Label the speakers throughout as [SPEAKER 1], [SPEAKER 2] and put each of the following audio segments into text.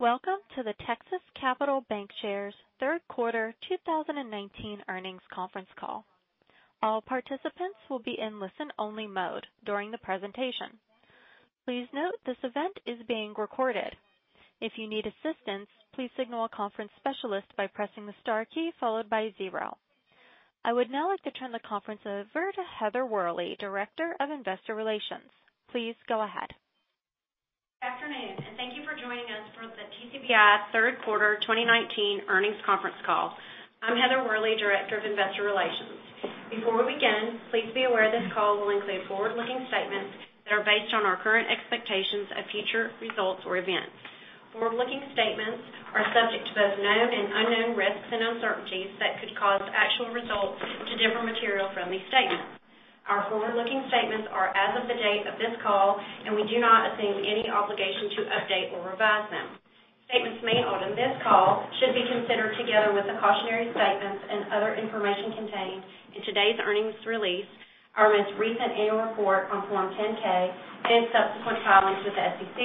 [SPEAKER 1] Welcome to the Texas Capital Bancshares third quarter 2019 earnings conference call. All participants will be in listen-only mode during the presentation. Please note this event is being recorded. If you need assistance, please signal a conference specialist by pressing the star key followed by 0. I would now like to turn the conference over to Heather Worley, Director of Investor Relations. Please go ahead.
[SPEAKER 2] Good afternoon. Thank you for joining us for the TCBI third quarter 2019 earnings conference call. I'm Heather Worley, Director of Investor Relations. Before we begin, please be aware this call will include forward-looking statements that are based on our current expectations of future results or events. Forward-looking statements are subject to both known and unknown risks and uncertainties that could cause actual results to differ material from these statements. Our forward-looking statements are as of the date of this call, and we do not assume any obligation to update or revise them. Statements made on this call should be considered together with the cautionary statements and other information contained in today's earnings release, our most recent annual report on Form 10-K, and subsequent filings with the SEC.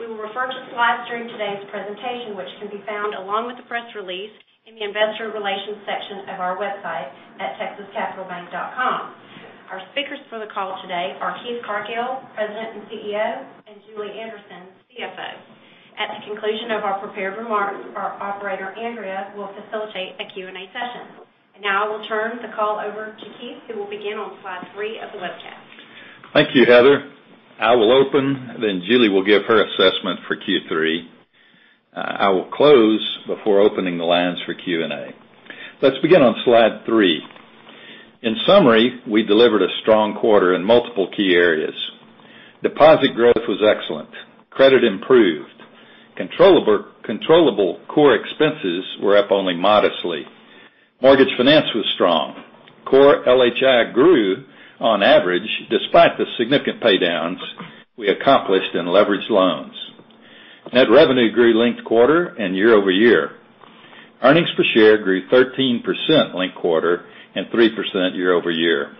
[SPEAKER 2] We will refer to slides during today's presentation, which can be found along with the press release in the investor relations section of our website at texascapitalbank.com. Our speakers for the call today are Keith Cargill, President and CEO, and Julie Anderson, CFO. At the conclusion of our prepared remarks, our operator, Andrea, will facilitate a Q&A session. I will turn the call over to Keith, who will begin on slide three of the webcast.
[SPEAKER 3] Thank you, Heather. I will open, then Julie will give her assessment for Q3. I will close before opening the lines for Q&A. Let's begin on slide three. In summary, we delivered a strong quarter in multiple key areas. Deposit growth was excellent. Credit improved. Controllable core expenses were up only modestly. mortgage finance was strong. Core LHI grew on average despite the significant paydowns we accomplished in leveraged loans. Net revenue grew linked quarter and year-over-year. Earnings per share grew 13% linked quarter and 3% year-over-year.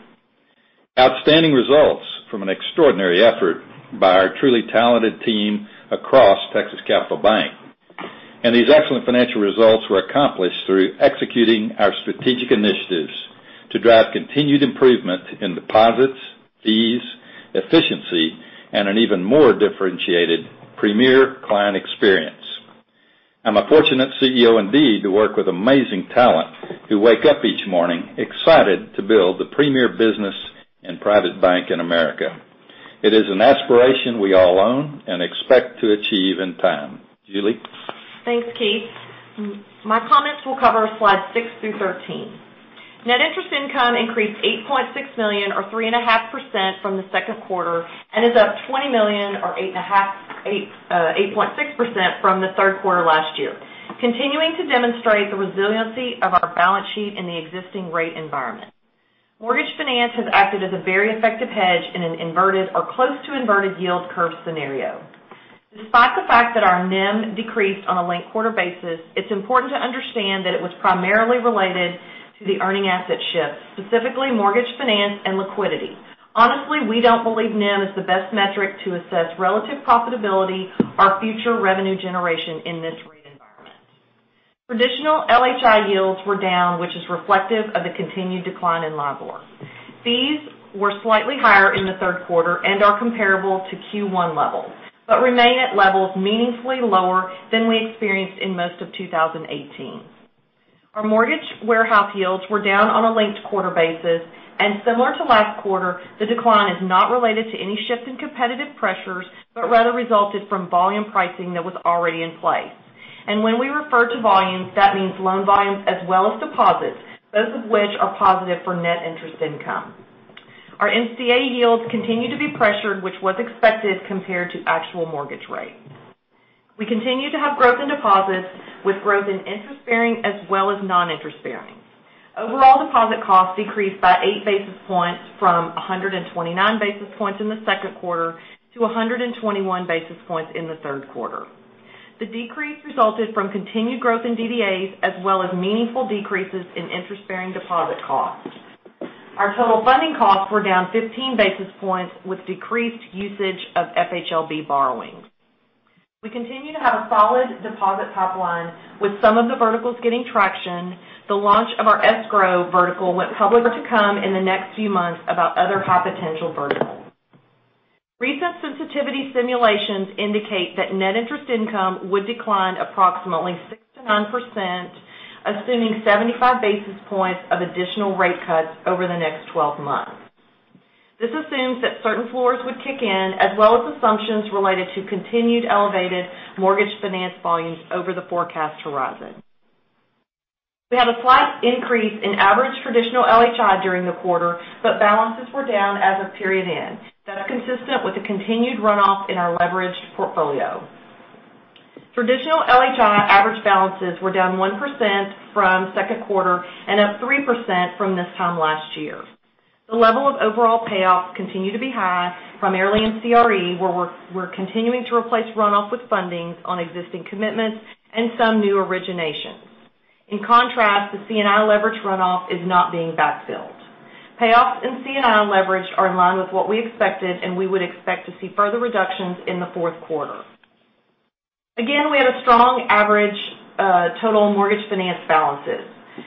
[SPEAKER 3] Outstanding results from an extraordinary effort by our truly talented team across Texas Capital Bank. These excellent financial results were accomplished through executing our strategic initiatives to drive continued improvement in deposits, fees, efficiency, and an even more differentiated premier client experience. I'm a fortunate CEO indeed to work with amazing talent, who wake up each morning excited to build the premier business and private bank in America. It is an aspiration we all own and expect to achieve in time. Julie?
[SPEAKER 4] Thanks, Keith. My comments will cover slides six through 13. Net interest income increased $8.6 million, or 3.5% from the second quarter, and is up $20 million, or 8.6% from the third quarter last year, continuing to demonstrate the resiliency of our balance sheet in the existing rate environment. mortgage finance has acted as a very effective hedge in an inverted or close-to-inverted yield curve scenario. Despite the fact that our NIM decreased on a linked-quarter basis, it's important to understand that it was primarily related to the earning asset shifts, specifically mortgage finance and liquidity. Honestly, we don't believe NIM is the best metric to assess relative profitability or future revenue generation in this rate environment. Traditional LHI yields were down, which is reflective of the continued decline in LIBOR. Fees were slightly higher in the third quarter and are comparable to Q1 levels, but remain at levels meaningfully lower than we experienced in most of 2018. Our mortgage warehouse yields were down on a linked-quarter basis, and similar to last quarter, the decline is not related to any shift in competitive pressures, but rather resulted from volume pricing that was already in place. When we refer to volumes, that means loan volumes as well as deposits, both of which are positive for net interest income. Our NCA yields continue to be pressured, which was expected compared to actual mortgage rates. We continue to have growth in deposits, with growth in interest-bearing as well as non-interest-bearing. Overall deposit costs decreased by eight basis points from 129 basis points in the second quarter to 121 basis points in the third quarter. The decrease resulted from continued growth in DDAs, as well as meaningful decreases in interest-bearing deposit costs. Our total funding costs were down 15 basis points, with decreased usage of FHLB borrowings. We continue to have a solid deposit top line, with some of the verticals getting traction. The launch of our escrow vertical with public to come in the next few months about other high-potential verticals. Recent sensitivity simulations indicate that net interest income would decline approximately 6%-9%, assuming 75 basis points of additional rate cuts over the next 12 months. This assumes that certain floors would kick in, as well as assumptions related to continued elevated mortgage finance volumes over the forecast horizon. We had a slight increase in average traditional LHI during the quarter, but balances were down as of period end. That is consistent with the continued runoff in our leveraged portfolio. Traditional LHI average balances were down 1% from second quarter and up 3% from this time last year. The level of overall payoffs continue to be high, primarily in CRE, where we're continuing to replace runoff with fundings on existing commitments and some new originations. In contrast, the C&I leverage runoff is not being backfilled. Payoffs in C&I leverage are in line with what we expected, and we would expect to see further reductions in the fourth quarter. Again, we had a strong average total mortgage finance balances,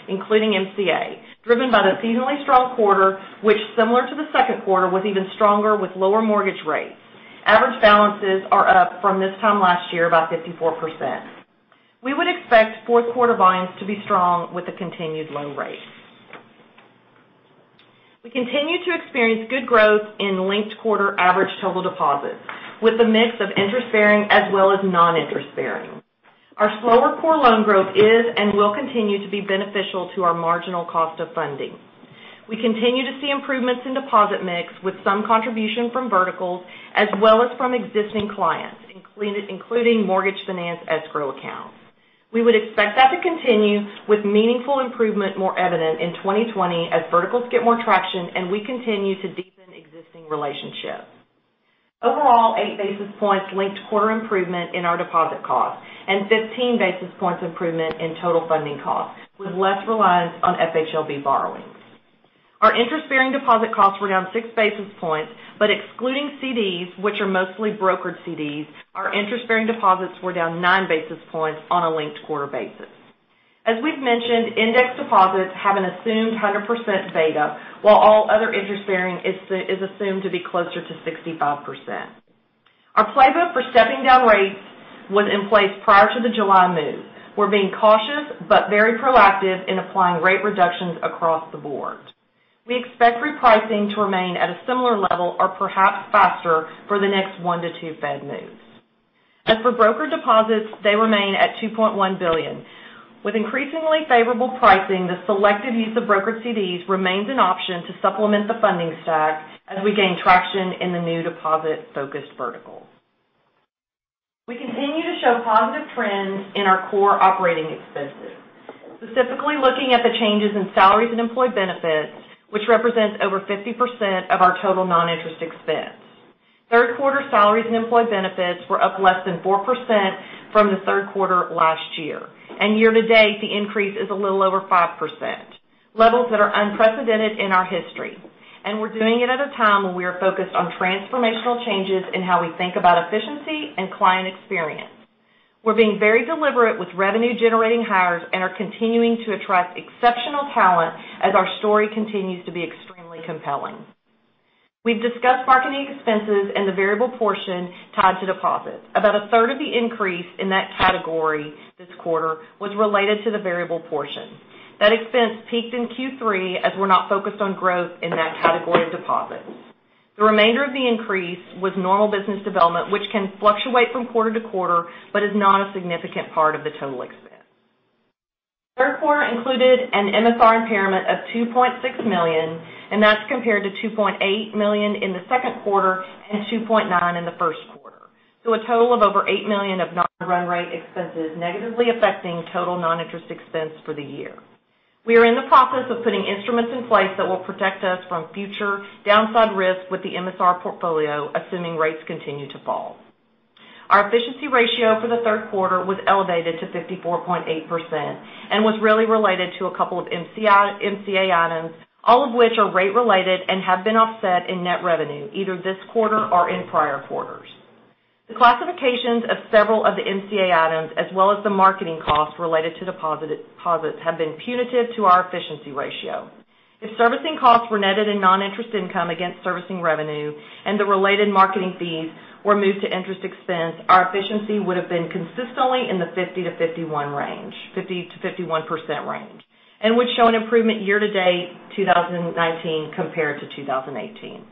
[SPEAKER 4] including MCA, driven by the seasonally strong quarter, which similar to the second quarter, was even stronger with lower mortgage rates. Average balances are up from this time last year about 54%. We would expect fourth quarter volumes to be strong with the continued low rates. We continue to experience good growth in linked quarter average total deposits with a mix of interest-bearing as well as non-interest-bearing. Our slower core loan growth is and will continue to be beneficial to our marginal cost of funding. We continue to see improvements in deposit mix with some contribution from verticals as well as from existing clients, including mortgage finance escrow accounts. We would expect that to continue with meaningful improvement more evident in 2020 as verticals get more traction and we continue to deepen existing relationships. Overall, eight basis points linked quarter improvement in our deposit costs and 15 basis points improvement in total funding costs, with less reliance on FHLB borrowings. Our interest-bearing deposit costs were down six basis points, but excluding CDs, which are mostly brokered CDs, our interest-bearing deposits were down nine basis points on a linked quarter basis. As we've mentioned, index deposits have an assumed 100% beta, while all other interest bearing is assumed to be closer to 65%. Our playbook for stepping down rates was in place prior to the July move. We're being cautious but very proactive in applying rate reductions across the board. We expect repricing to remain at a similar level or perhaps faster for the next one to two Fed moves. As for brokered deposits, they remain at $2.1 billion. With increasingly favorable pricing, the selective use of brokered CDs remains an option to supplement the funding stack as we gain traction in the new deposit-focused verticals. We continue to show positive trends in our core operating expenses, specifically looking at the changes in salaries and employee benefits, which represents over 50% of our total non-interest expense. Third quarter salaries and employee benefits were up less than 4% from the third quarter last year. Year to date, the increase is a little over 5%, levels that are unprecedented in our history. We're doing it at a time when we are focused on transformational changes in how we think about efficiency and client experience. We're being very deliberate with revenue-generating hires and are continuing to attract exceptional talent as our story continues to be extremely compelling. We've discussed marketing expenses and the variable portion tied to deposits. About a third of the increase in that category this quarter was related to the variable portion. That expense peaked in Q3 as we're not focused on growth in that category of deposits. The remainder of the increase was normal business development, which can fluctuate from quarter to quarter, but is not a significant part of the total expense. Third quarter included an MSR impairment of $2.6 million, and that's compared to $2.8 million in the second quarter and $2.9 in the first quarter. A total of over $8 million of non-run rate expenses negatively affecting total non-interest expense for the year. We are in the process of putting instruments in place that will protect us from future downside risk with the MSR portfolio, assuming rates continue to fall. Our efficiency ratio for the third quarter was elevated to 54.8% and was really related to a couple of MCA items, all of which are rate related and have been offset in net revenue, either this quarter or in prior quarters. The classifications of several of the MCA items, as well as the marketing costs related to deposits have been punitive to our efficiency ratio. If servicing costs were netted in non-interest income against servicing revenue and the related marketing fees were moved to interest expense, our efficiency would have been consistently in the 50-51 range, and would show an improvement year-to-date 2019 compared to 2018.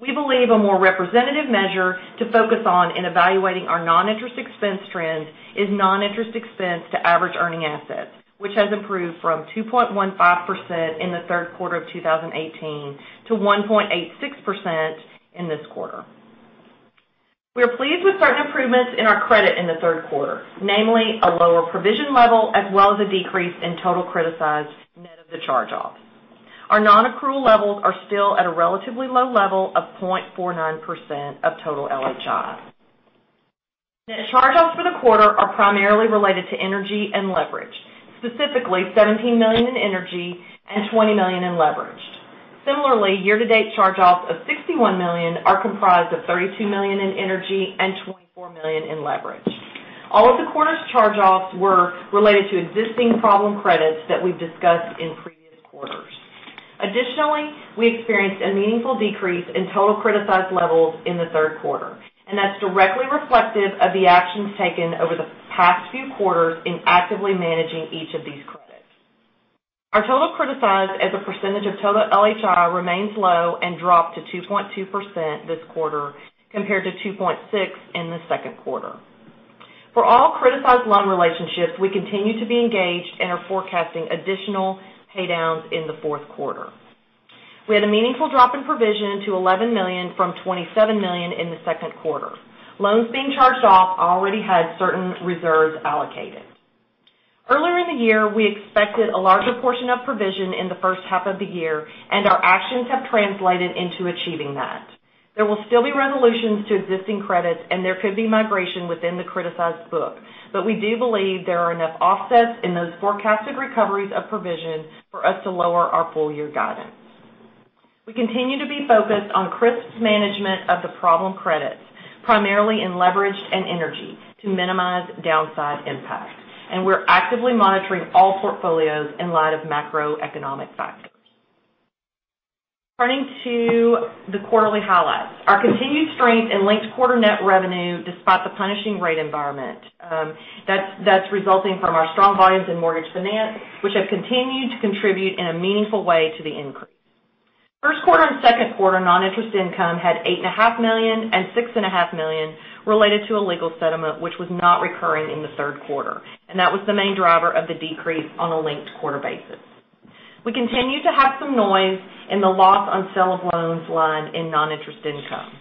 [SPEAKER 4] We believe a more representative measure to focus on in evaluating our non-interest expense trends is non-interest expense to average earning assets, which has improved from 2.15% in the third quarter of 2018 to 1.86% in this quarter. We are pleased with certain improvements in our credit in the third quarter, namely a lower provision level as well as a decrease in total criticized net of the charge-offs. Our non-accrual levels are still at a relatively low level of 0.49% of total LHI. Net charge-offs for the quarter are primarily related to energy and leverage, specifically $17 million in energy and $20 million in leverage. Similarly, year to date charge-offs of $61 million are comprised of $32 million in energy and $24 million in leverage. All of the quarter's charge-offs were related to existing problem credits that we've discussed in previous quarters. Additionally, we experienced a meaningful decrease in total criticized levels in the third quarter, and that's directly reflective of the actions taken over the past few quarters in actively managing each of these credits. Our total criticized as a percentage of total LHI remains low and dropped to 2.2% this quarter compared to 2.6% in the second quarter. For all criticized loan relationships, we continue to be engaged and are forecasting additional paydowns in the fourth quarter. We had a meaningful drop in provision to $11 million from $27 million in the second quarter. Loans being charged off already had certain reserves allocated. Earlier in the year, we expected a larger portion of provision in the first half of the year, and our actions have translated into achieving that. There will still be resolutions to existing credits, and there could be migration within the criticized book. We do believe there are enough offsets in those forecasted recoveries of provision for us to lower our full-year guidance. We continue to be focused on risk management of the problem credits, primarily in leverage and energy, to minimize downside impact. We're actively monitoring all portfolios in light of macroeconomic factors. Turning to the quarterly highlights. Our continued strength in linked quarter net revenue despite the punishing rate environment, that's resulting from our strong volumes in mortgage finance, which have continued to contribute in a meaningful way to the increase. First quarter and second quarter non-interest income had $8.5 million and $6.5 million related to a legal settlement, which was not recurring in the third quarter. That was the main driver of the decrease on a linked quarter basis. We continue to have some noise in the loss on sale of loans line in non-interest income,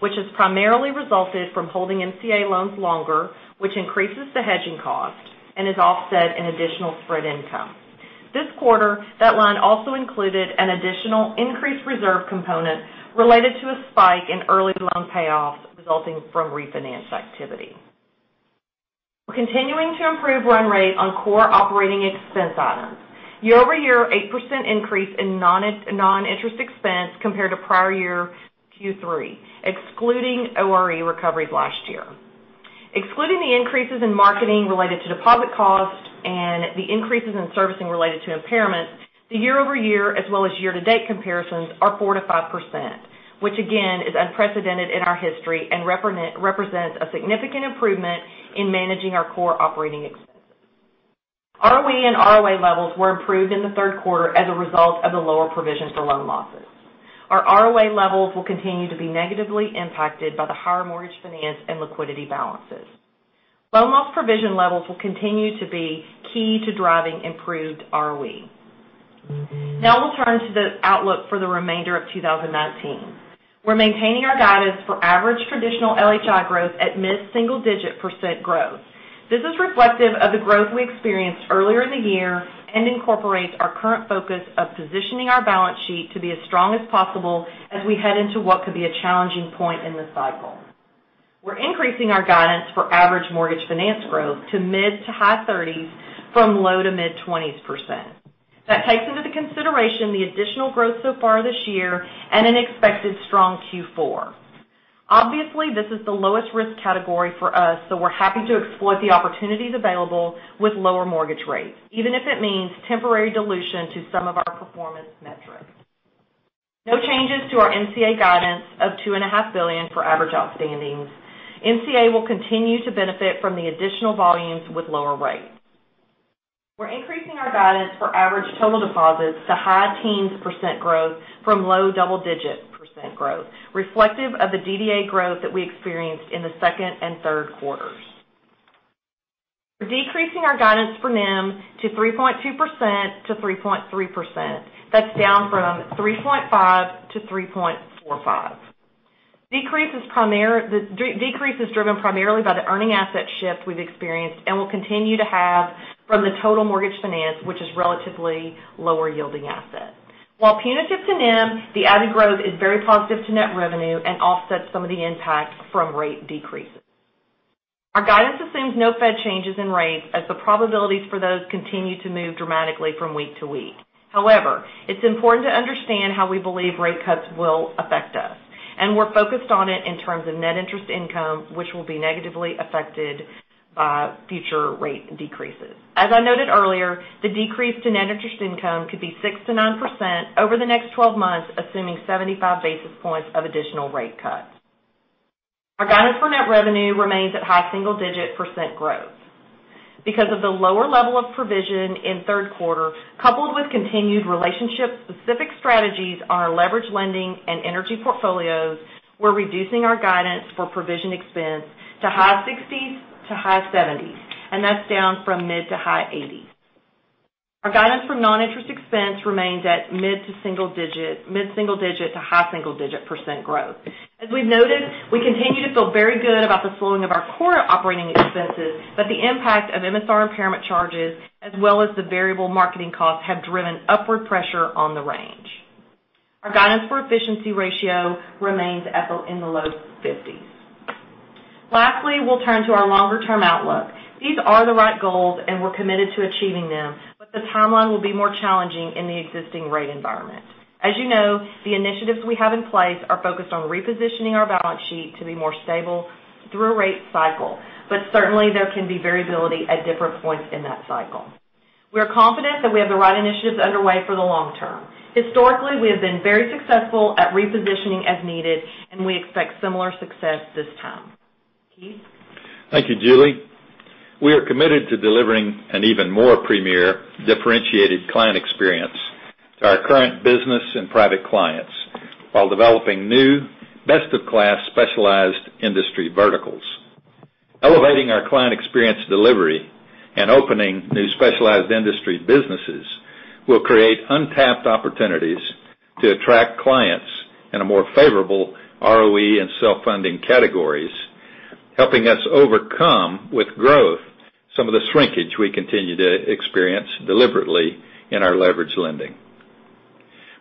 [SPEAKER 4] which has primarily resulted from holding MCA loans longer, which increases the hedging cost and is offset in additional spread income. This quarter, that line also included an additional increased reserve component related to a spike in early loan payoffs resulting from refinance activity. We're continuing to improve run rate on core operating expense items. Year-over-year, 8% increase in non-interest expense compared to prior year Q3, excluding ORE recoveries last year. Excluding the increases in marketing related to deposit costs and the increases in servicing related to impairment, the year-over-year as well as year-to-date comparisons are 4%-5%, which, again, is unprecedented in our history and represents a significant improvement in managing our core operating expenses. ROE and ROA levels were improved in the third quarter as a result of the lower provision for loan losses. Our ROA levels will continue to be negatively impacted by the higher mortgage finance and liquidity balances. Loan loss provision levels will continue to be key to driving improved ROE. We'll turn to the outlook for the remainder of 2019. We're maintaining our guidance for average traditional LHI growth at mid-single digit % growth. This is reflective of the growth we experienced earlier in the year and incorporates our current focus of positioning our balance sheet to be as strong as possible as we head into what could be a challenging point in this cycle. We're increasing our guidance for average mortgage finance growth to mid to high 30s from low to mid 20s%. That takes into consideration the additional growth so far this year and an expected strong Q4. This is the lowest risk category for us, we're happy to exploit the opportunities available with lower mortgage rates, even if it means temporary dilution to some of our performance metrics. No changes to our MCA guidance of $2.5 billion for average outstandings. MCA will continue to benefit from the additional volumes with lower rates. We're increasing our guidance for average total deposits to high teens% growth from low double-digit% growth, reflective of the DDA growth that we experienced in the second and third quarters. We're decreasing our guidance for NIM to 3.2%-3.3%. That's down from 3.5%-3.45%. Decrease is driven primarily by the earning asset shift we've experienced and will continue to have from the total mortgage finance, which is a relatively lower yielding asset. While punitive to NIM, the added growth is very positive to net revenue and offsets some of the impact from rate decreases. Our guidance assumes no Fed changes in rates as the probabilities for those continue to move dramatically from week to week. However, it's important to understand how we believe rate cuts will affect us, and we're focused on it in terms of net interest income, which will be negatively affected by future rate decreases. As I noted earlier, the decrease to net interest income could be 6%-9% over the next 12 months, assuming 75 basis points of additional rate cuts. Our guidance for net revenue remains at high single-digit % growth. Because of the lower level of provision in the third quarter, coupled with continued relationship-specific strategies on our leverage lending and energy portfolios, we're reducing our guidance for provision expense to high 60s to high 70s, and that's down from mid to high 80s. Our guidance for non-interest expense remains at mid-single-digit to high single-digit % growth. As we've noted, we continue to feel very good about the slowing of our core operating expenses. The impact of MSR impairment charges, as well as the variable marketing costs, have driven upward pressure on the range. Our guidance for efficiency ratio remains in the low 50s. Lastly, we'll turn to our longer-term outlook. These are the right goals. We're committed to achieving them. The timeline will be more challenging in the existing rate environment. As you know, the initiatives we have in place are focused on repositioning our balance sheet to be more stable through a rate cycle. Certainly, there can be variability at different points in that cycle. We are confident that we have the right initiatives underway for the long term. Historically, we have been very successful at repositioning as needed. We expect similar success this time. Keith?
[SPEAKER 3] Thank you, Julie. We are committed to delivering an even more premier differentiated client experience to our current business and private clients while developing new, best-in-class specialized industry verticals. Elevating our client experience delivery and opening new specialized industry businesses will create untapped opportunities to attract clients in a more favorable ROE and self-funding categories. Helping us overcome with growth some of the shrinkage we continue to experience deliberately in our leveraged lending.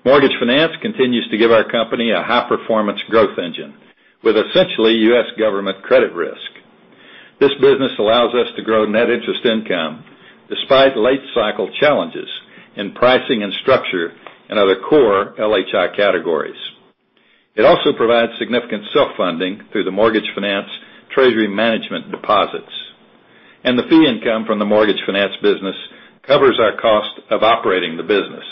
[SPEAKER 3] Mortgage finance continues to give our company a high-performance growth engine with essentially U.S. government credit risk. This business allows us to grow net interest income despite late cycle challenges in pricing and structure in other core LHI categories. It also provides significant self-funding through the mortgage finance treasury management deposits, and the fee income from the mortgage finance business covers our cost of operating the business.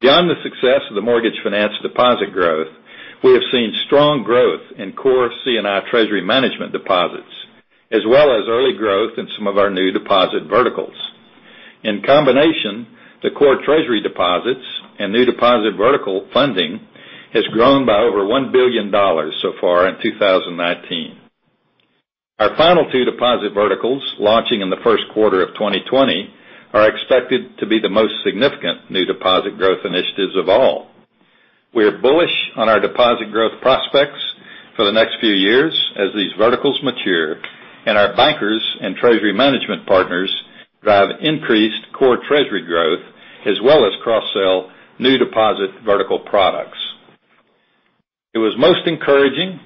[SPEAKER 3] Beyond the success of the mortgage finance deposit growth, we have seen strong growth in core C&I treasury management deposits, as well as early growth in some of our new deposit verticals. In combination, the core treasury deposits and new deposit vertical funding has grown by over $1 billion so far in 2019. Our final two deposit verticals, launching in the first quarter of 2020, are expected to be the most significant new deposit growth initiatives of all. We are bullish on our deposit growth prospects for the next few years as these verticals mature and our bankers and treasury management partners drive increased core treasury growth as well as cross-sell new deposit vertical products. It was most encouraging,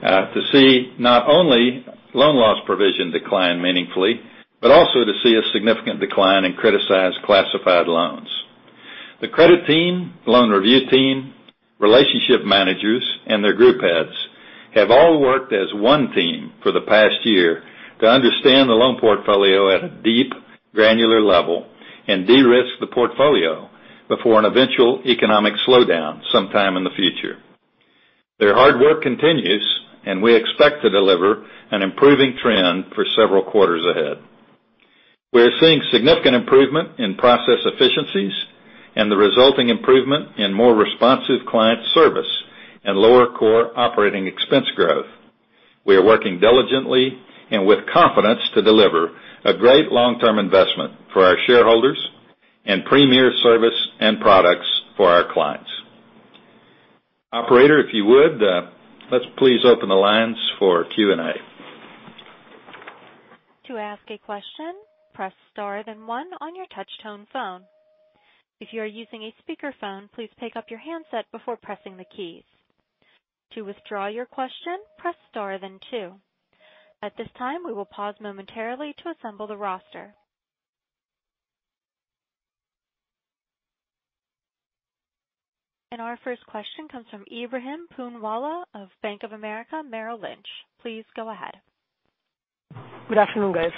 [SPEAKER 3] to see not only loan loss provision decline meaningfully, but also to see a significant decline in criticized classified loans. The credit team, loan review team, relationship managers, and their group heads have all worked as one team for the past year to understand the loan portfolio at a deep, granular level and de-risk the portfolio before an eventual economic slowdown sometime in the future. Their hard work continues, and we expect to deliver an improving trend for several quarters ahead. We are seeing significant improvement in process efficiencies and the resulting improvement in more responsive client service and lower core operating expense growth. We are working diligently and with confidence to deliver a great long-term investment for our shareholders and premier service and products for our clients. Operator, if you would, let's please open the lines for Q&A.
[SPEAKER 1] To ask a question, press star then one on your touch tone phone. If you are using a speakerphone, please pick up your handset before pressing the keys. To withdraw your question, press star then two. At this time, we will pause momentarily to assemble the roster. Our first question comes from Ebrahim Poonawala of Bank of America Merrill Lynch. Please go ahead.
[SPEAKER 5] Good afternoon, guys.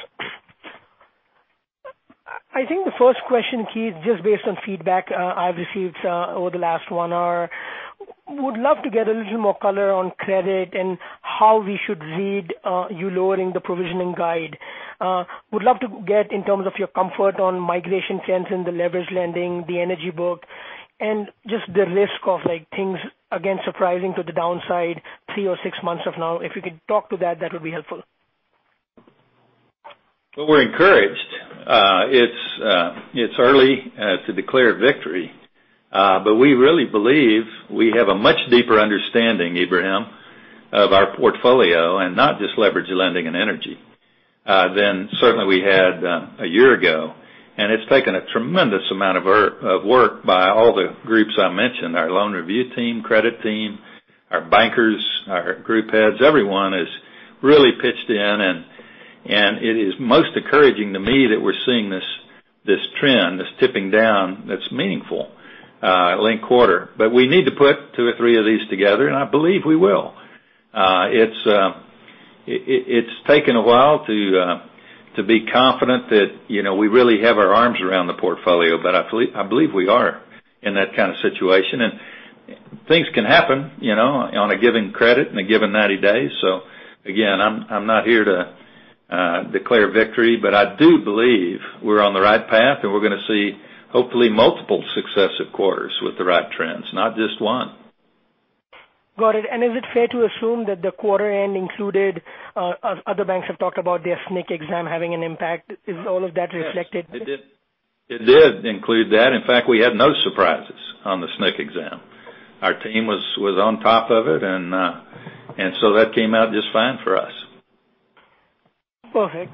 [SPEAKER 5] I think the first question, Keith, just based on feedback I've received over the last one hour, would love to get a little more color on credit and how we should read you lowering the provisioning guide. Would love to get in terms of your comfort on migration trends in the leverage lending, the energy book, and just the risk of things again surprising to the downside three or six months from now. If you could talk to that would be helpful.
[SPEAKER 3] Well, we're encouraged. It's early to declare victory. We really believe we have a much deeper understanding, Ebrahim, of our portfolio, and not just leverage lending and energy, than certainly we had a year ago. It's taken a tremendous amount of work by all the groups I mentioned, our loan review team, credit team, our bankers, our group heads. Everyone has really pitched in, and it is most encouraging to me that we're seeing this trend, this tipping down that's meaningful linked quarter. We need to put two or three of these together, and I believe we will. It's taken a while to be confident that we really have our arms around the portfolio, but I believe we are in that kind of situation. Things can happen on a given credit in a given 90 days. Again, I'm not here to declare victory, but I do believe we're on the right path, and we're going to see hopefully multiple successive quarters with the right trends, not just one.
[SPEAKER 5] Got it. Is it fair to assume that the quarter end included, as other banks have talked about their CCAR exam having an impact, is all of that reflected?
[SPEAKER 3] Yes. It did include that. In fact, we had no surprises on the CCAR exam. Our team was on top of it, and so that came out just fine for us.
[SPEAKER 5] Perfect.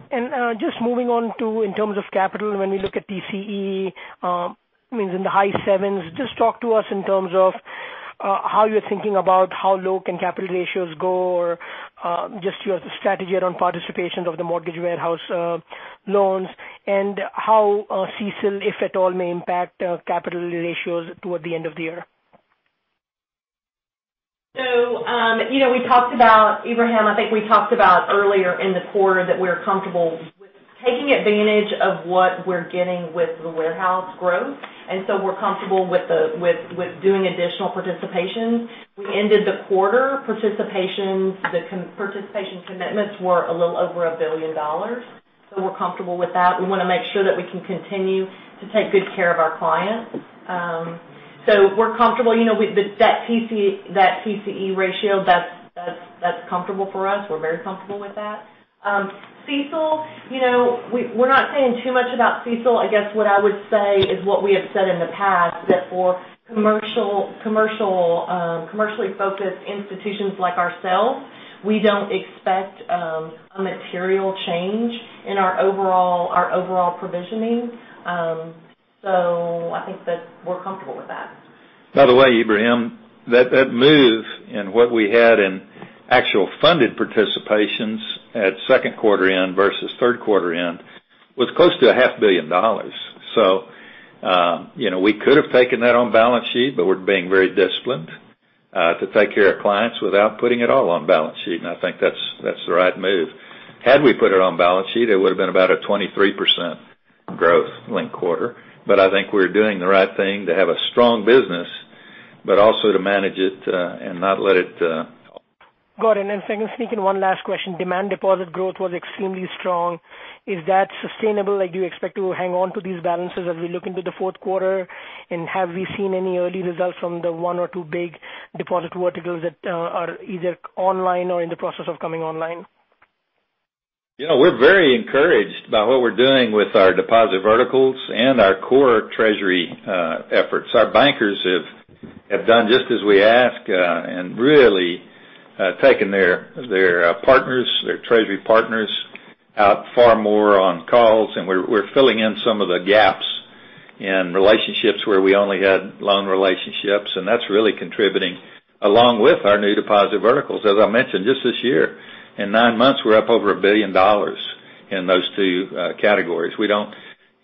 [SPEAKER 5] Just moving on to, in terms of capital, when we look at TCE, means in the high sevens, just talk to us in terms of how you're thinking about how low can capital ratios go, or just your strategy around participation of the mortgage warehouse loans, and how CECL, if at all, may impact capital ratios toward the end of the year.
[SPEAKER 4] Ebrahim, I think we talked about earlier in the quarter that we're comfortable with taking advantage of what we're getting with the warehouse growth, we're comfortable with doing additional participation. We ended the quarter, the participation commitments were a little over $1 billion. We're comfortable with that. We want to make sure that we can continue to take good care of our clients. We're comfortable. That TCE ratio, that's comfortable for us. We're very comfortable with that. CECL, we're not saying too much about CECL. I guess what I would say is what we have said in the past, that for commercially focused institutions like ourselves. We don't expect a material change in our overall provisioning. I think that we're comfortable with that.
[SPEAKER 3] By the way, Ebrahim, that move and what we had in actual funded participations at second quarter-end versus third quarter-end was close to a half billion dollars. We could have taken that on balance sheet, we're being very disciplined to take care of clients without putting it all on balance sheet, and I think that's the right move. Had we put it on balance sheet, it would've been about a 23% growth linked-quarter. I think we're doing the right thing to have a strong business, but also to manage it, and not let it.
[SPEAKER 5] Got it. If I can sneak in one last question. Demand deposit growth was extremely strong. Is that sustainable? Do you expect to hang on to these balances as we look into the fourth quarter? Have we seen any early results from the one or two big deposit verticals that are either online or in the process of coming online?
[SPEAKER 3] We're very encouraged by what we're doing with our deposit verticals and our core treasury efforts. Our bankers have done just as we ask, and really taken their treasury partners out far more on calls, and we're filling in some of the gaps in relationships where we only had loan relationships, and that's really contributing along with our new deposit verticals. As I mentioned, just this year, in nine months, we're up over $1 billion in those two categories. We don't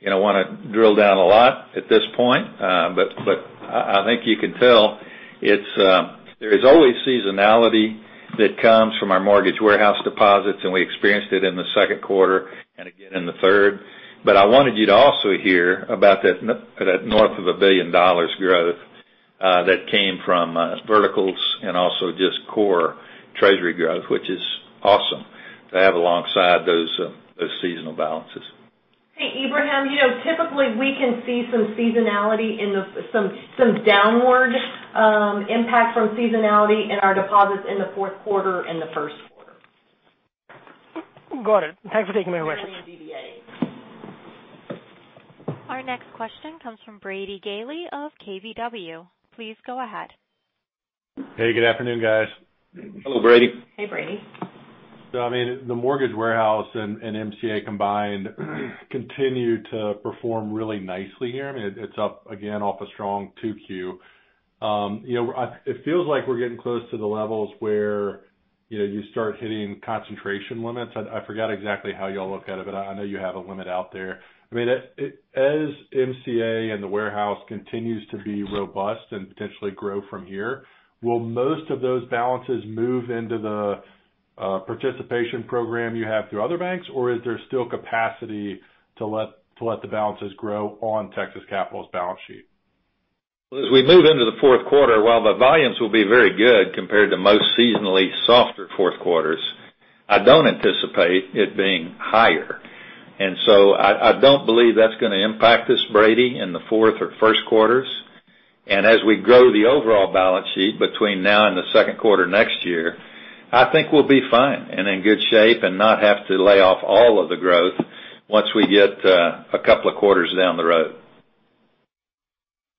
[SPEAKER 3] want to drill down a lot at this point. I think you can tell there is always seasonality that comes from our mortgage warehouse deposits, and we experienced it in the second quarter and again in the third. I wanted you to also hear about that north of $1 billion growth, that came from verticals and also just core treasury growth, which is awesome to have alongside those seasonal balances.
[SPEAKER 4] Hey, Ebrahim, typically we can see some downward impact from seasonality in our deposits in the fourth quarter and the first quarter.
[SPEAKER 5] Got it. Thanks for taking my question.
[SPEAKER 1] Our next question comes from Brady Gailey of KBW. Please go ahead.
[SPEAKER 6] Hey, good afternoon, guys.
[SPEAKER 3] Hello, Brady.
[SPEAKER 4] Hey, Brady.
[SPEAKER 6] The mortgage warehouse and MCA combined continue to perform really nicely here. It's up again off a strong 2Q. It feels like we're getting close to the levels where you start hitting concentration limits. I forgot exactly how you all look at it, but I know you have a limit out there. As MCA and the warehouse continues to be robust and potentially grow from here, will most of those balances move into the participation program you have through other banks, or is there still capacity to let the balances grow on Texas Capital's balance sheet?
[SPEAKER 3] As we move into the 4th quarter, while the volumes will be very good compared to most seasonally softer 4th quarters, I don't anticipate it being higher. I don't believe that's going to impact us, Brady, in the 4th or 1st quarters. As we grow the overall balance sheet between now and the 2nd quarter next year, I think we'll be fine and in good shape and not have to lay off all of the growth once we get a couple of quarters down the road.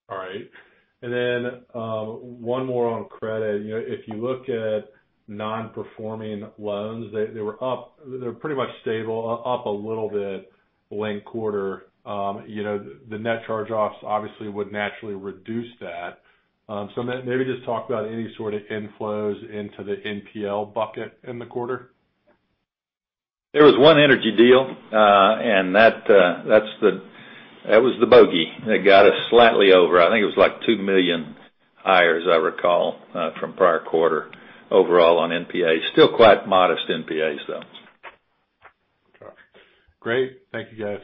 [SPEAKER 6] All right. One more on credit. If you look at non-performing loans, they're pretty much stable, up a little bit linked quarter. The net charge-offs obviously would naturally reduce that. Maybe just talk about any sort of inflows into the NPL bucket in the quarter.
[SPEAKER 3] There was one energy deal. That was the bogey that got us slightly over. I think it was like $2 million higher, as I recall, from prior quarter overall on NPA. Still quite modest NPAs, though.
[SPEAKER 6] Got you. Great. Thank you, guys.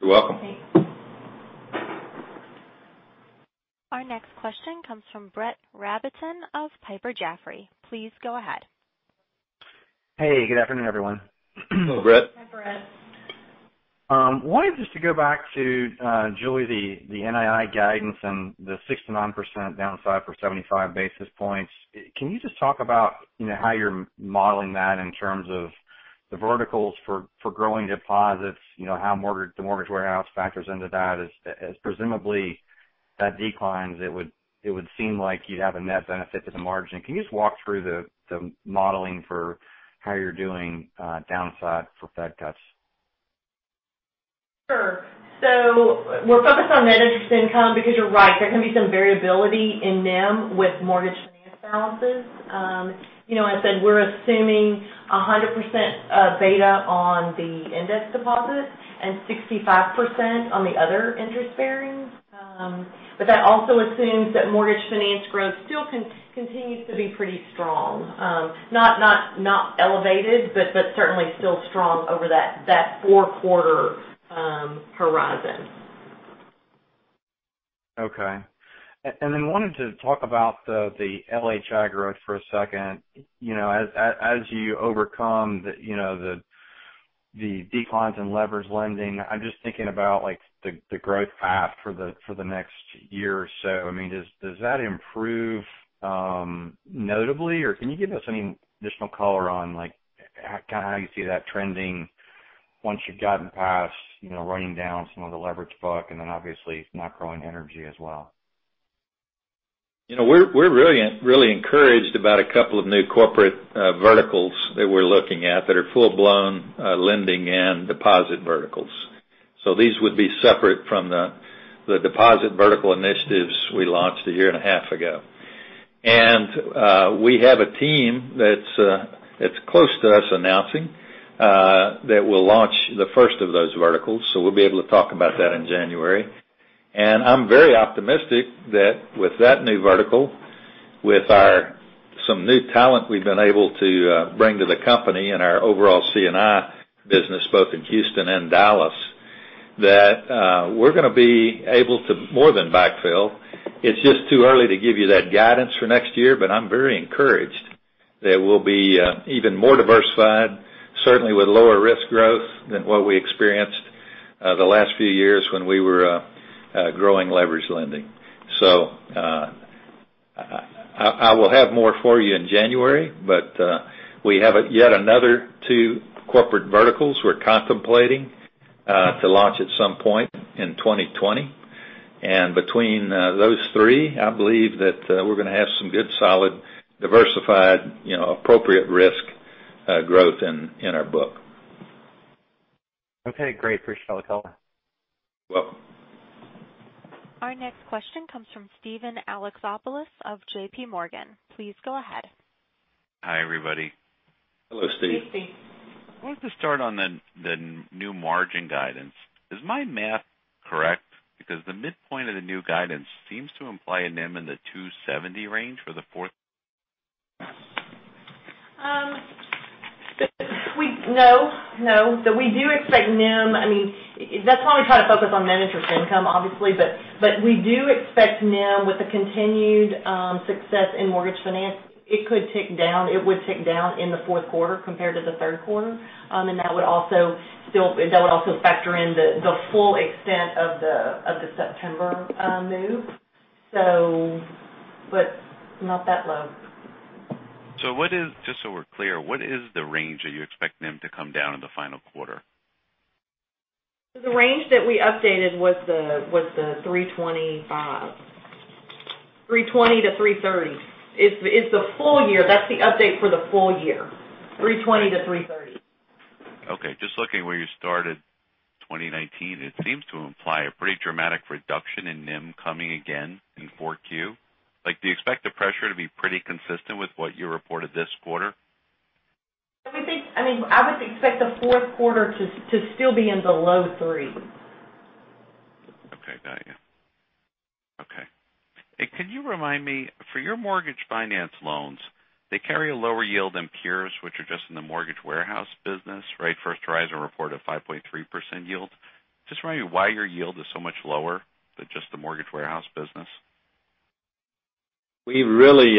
[SPEAKER 3] You're welcome.
[SPEAKER 4] Thanks.
[SPEAKER 1] Our next question comes from Brett Rabatin of Piper Jaffray. Please go ahead.
[SPEAKER 7] Hey, good afternoon, everyone.
[SPEAKER 3] Hello, Brett.
[SPEAKER 4] Hey, Brett.
[SPEAKER 7] wanted just to go back to, Julie, the NII guidance and the 69% downside for 75 basis points. Can you just talk about how you're modeling that in terms of the verticals for growing deposits, how the mortgage warehouse factors into that, as presumably that declines, it would seem like you'd have a net benefit to the margin? Can you just walk through the modeling for how you're doing downside for Fed cuts?
[SPEAKER 4] Sure. We're focused on net interest income because you're right, there can be some variability in NIM with mortgage finance balances. As I said, we're assuming 100% of beta on the index deposits and 65% on the other interest bearings. That also assumes that mortgage finance growth still continues to be pretty strong. Not elevated, but certainly still strong over that four-quarter horizon.
[SPEAKER 7] Okay. Wanted to talk about the LHI growth for a second. As you overcome the declines in leveraged lending, I'm just thinking about the growth path for the next year or so. Does that improve notably or can you give us any additional color on how you see that trending once you've gotten past running down some of the leverage book and then obviously not growing energy as well?
[SPEAKER 3] We're really encouraged about a couple of new corporate verticals that we're looking at that are full-blown lending and deposit verticals. These would be separate from the deposit vertical initiatives we launched a year and a half ago. We have a team that's close to us announcing that we'll launch the first of those verticals, so we'll be able to talk about that in January. I'm very optimistic that with that new vertical, with some new talent we've been able to bring to the company, and our overall C&I business both in Houston and Dallas, that we're going to be able to more than backfill. It's just too early to give you that guidance for next year, but I'm very encouraged that we'll be even more diversified, certainly with lower risk growth than what we experienced the last few years when we were growing leverage lending. I will have more for you in January, but we have yet another two corporate verticals we're contemplating to launch at some point in 2020. Between those three, I believe that we're going to have some good, solid, diversified, appropriate risk growth in our book.
[SPEAKER 7] Okay, great. Appreciate the call.
[SPEAKER 3] You're welcome.
[SPEAKER 1] Our next question comes from Steven Alexopoulos of J.P. Morgan. Please go ahead.
[SPEAKER 8] Hi, everybody.
[SPEAKER 3] Hello, Steve.
[SPEAKER 4] Hey, Steve.
[SPEAKER 8] I wanted to start on the new margin guidance. Is my math correct? The midpoint of the new guidance seems to imply a NIM in the 270 range for the fourth quarter.
[SPEAKER 4] No, no. We do expect NIM. That's why we try to focus on non-interest income, obviously, but we do expect NIM with a continued success in mortgage finance. It could tick down. It would tick down in the fourth quarter compared to the third quarter, and that would also factor in the full extent of the September move. Not that low.
[SPEAKER 8] Just so we're clear, what is the range that you expect NIM to come down in the final quarter?
[SPEAKER 4] The range that we updated was the 325, 320-330. That's the update for the full year, 320-330.
[SPEAKER 8] Just looking where you started 2019, it seems to imply a pretty dramatic reduction in NIM coming again in 4Q. Do you expect the pressure to be pretty consistent with what you reported this quarter?
[SPEAKER 4] I would expect the fourth quarter to still be in the low threes.
[SPEAKER 8] Okay, got you. Okay. Can you remind me, for your mortgage finance loans, they carry a lower yield than peers, which are just in the mortgage warehouse business, right? First Horizon reported a 5.3% yield. Just remind me why your yield is so much lower than just the mortgage warehouse business.
[SPEAKER 3] We really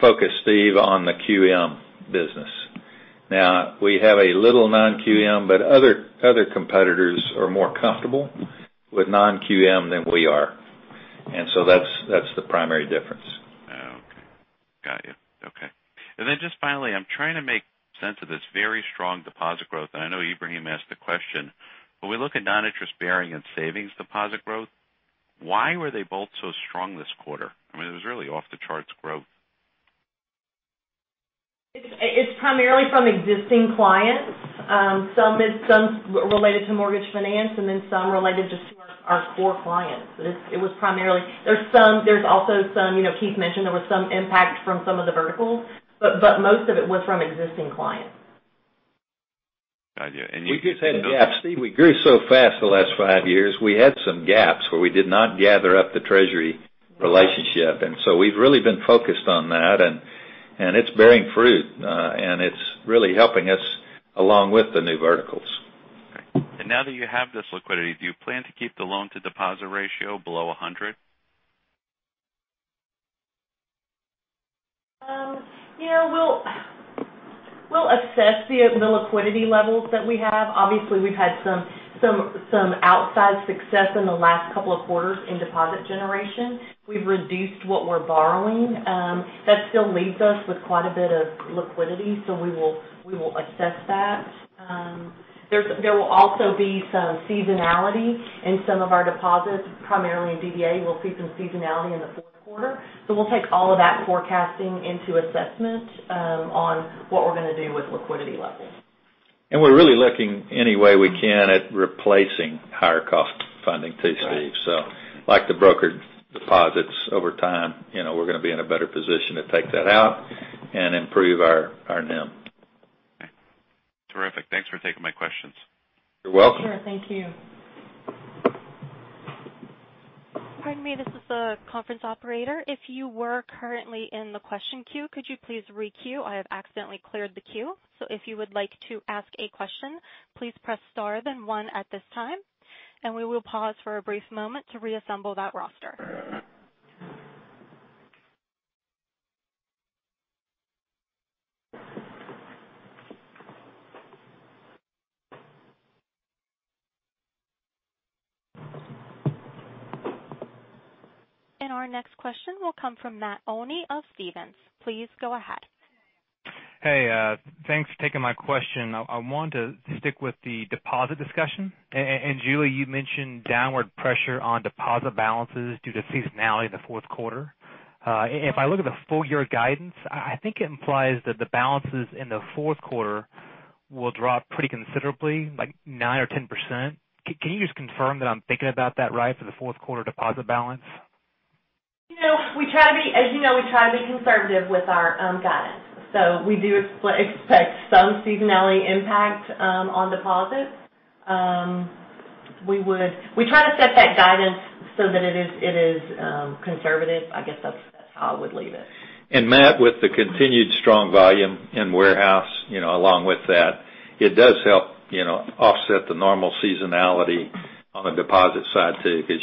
[SPEAKER 3] focus, Steve, on the QM business. Now, we have a little non-QM, but other competitors are more comfortable with non-QM than we are, and so that's the primary difference.
[SPEAKER 8] Oh, okay. Got you. Okay. Just finally, I'm trying to make sense of this very strong deposit growth, and I know Ebrahim asked the question. When we look at non-interest bearing and savings deposit growth, why were they both so strong this quarter? It was really off-the-charts growth.
[SPEAKER 4] It's primarily from existing clients. Some related to mortgage finance and then some related just to our core clients. There's also some, Keith mentioned there was some impact from some of the verticals, but most of it was from existing clients.
[SPEAKER 8] Got you.
[SPEAKER 3] We just had gaps, Steven. We grew so fast the last five years, we had some gaps where we did not gather up the treasury relationship. We've really been focused on that and it's bearing fruit, and it's really helping us along with the new verticals.
[SPEAKER 8] Okay. Now that you have this liquidity, do you plan to keep the loan to deposit ratio below 100?
[SPEAKER 4] We'll assess the liquidity levels that we have. Obviously, we've had some outsized success in the last couple of quarters in deposit generation. We've reduced what we're borrowing. That still leaves us with quite a bit of liquidity, so we will assess that. There will also be some seasonality in some of our deposits, primarily in DDA, we'll see some seasonality in the fourth quarter. We'll take all of that forecasting into assessment on what we're going to do with liquidity levels.
[SPEAKER 3] We're really looking any way we can at replacing higher cost funding too, Steve. Like the brokered deposits over time, we're going to be in a better position to take that out and improve our NIM.
[SPEAKER 8] Okay. Terrific. Thanks for taking my questions.
[SPEAKER 3] You're welcome.
[SPEAKER 4] Sure. Thank you.
[SPEAKER 1] Pardon me, this is the conference operator. If you were currently in the question queue, could you please re-queue? I have accidentally cleared the queue. If you would like to ask a question, please press star then one at this time, and we will pause for a brief moment to reassemble that roster. Our next question will come from Matt Olney of Stephens. Please go ahead.
[SPEAKER 9] Hey, thanks for taking my question. I want to stick with the deposit discussion. Julie, you mentioned downward pressure on deposit balances due to seasonality in the fourth quarter. If I look at the full-year guidance, I think it implies that the balances in the fourth quarter will drop pretty considerably, like 9% or 10%. Can you just confirm that I'm thinking about that right, for the fourth quarter deposit balance?
[SPEAKER 4] As you know, we try to be conservative with our guidance. We do expect some seasonality impact on deposits. We try to set that guidance so that it is conservative. I guess that's how I would leave it.
[SPEAKER 3] Matt, with the continued strong volume in warehouse, along with that, it does help offset the normal seasonality on the deposit side too, because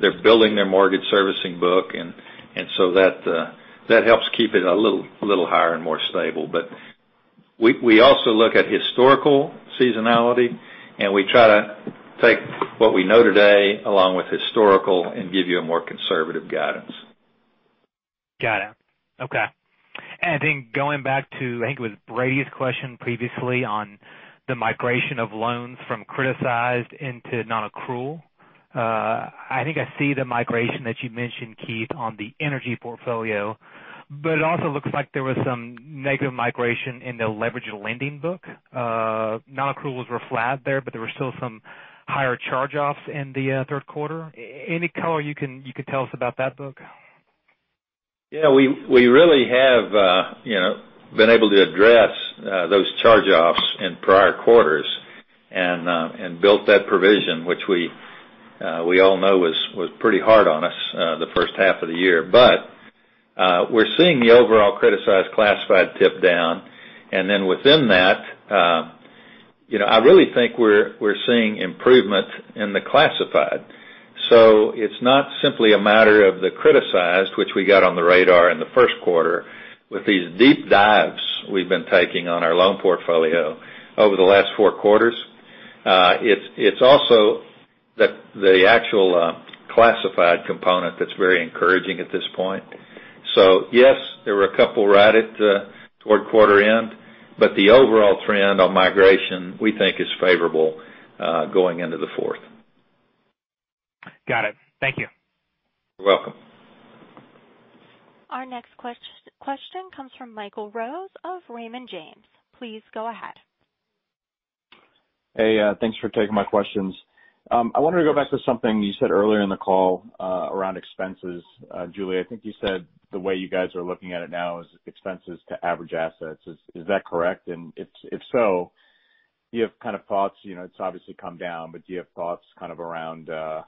[SPEAKER 3] they're building their mortgage servicing book, and so that helps keep it a little higher and more stable. We also look at historical seasonality, and we try to take what we know today along with historical and give you a more conservative guidance.
[SPEAKER 9] Got it. Okay. Going back to, I think it was Brady's question previously on the migration of loans from criticized into non-accrual. I think I see the migration that you mentioned, Keith, on the energy portfolio, but it also looks like there was some negative migration in the leveraged lending book. Non-accruals were flat there, but there were still some higher charge-offs in the third quarter. Any color you could tell us about that book?
[SPEAKER 3] We really have been able to address those charge-offs in prior quarters and built that provision, which we all know was pretty hard on us the first half of the year. We're seeing the overall criticized classified tip down, and then within that, I really think we're seeing improvement in the classified. It's not simply a matter of the criticized, which we got on the radar in the first quarter with these deep dives we've been taking on our loan portfolio over the last four quarters. It's also the actual classified component that's very encouraging at this point. Yes, there were a couple rated toward quarter end, but the overall trend on migration, we think, is favorable going into the fourth.
[SPEAKER 9] Got it. Thank you.
[SPEAKER 3] You're welcome.
[SPEAKER 1] Our next question comes from Michael Rose of Raymond James. Please go ahead.
[SPEAKER 10] Hey, thanks for taking my questions. I wanted to go back to something you said earlier in the call around expenses. Julie, I think you said the way you guys are looking at it now is expenses to average assets. Is that correct? If so, do you have thoughts? It's obviously come down. Do you have thoughts around how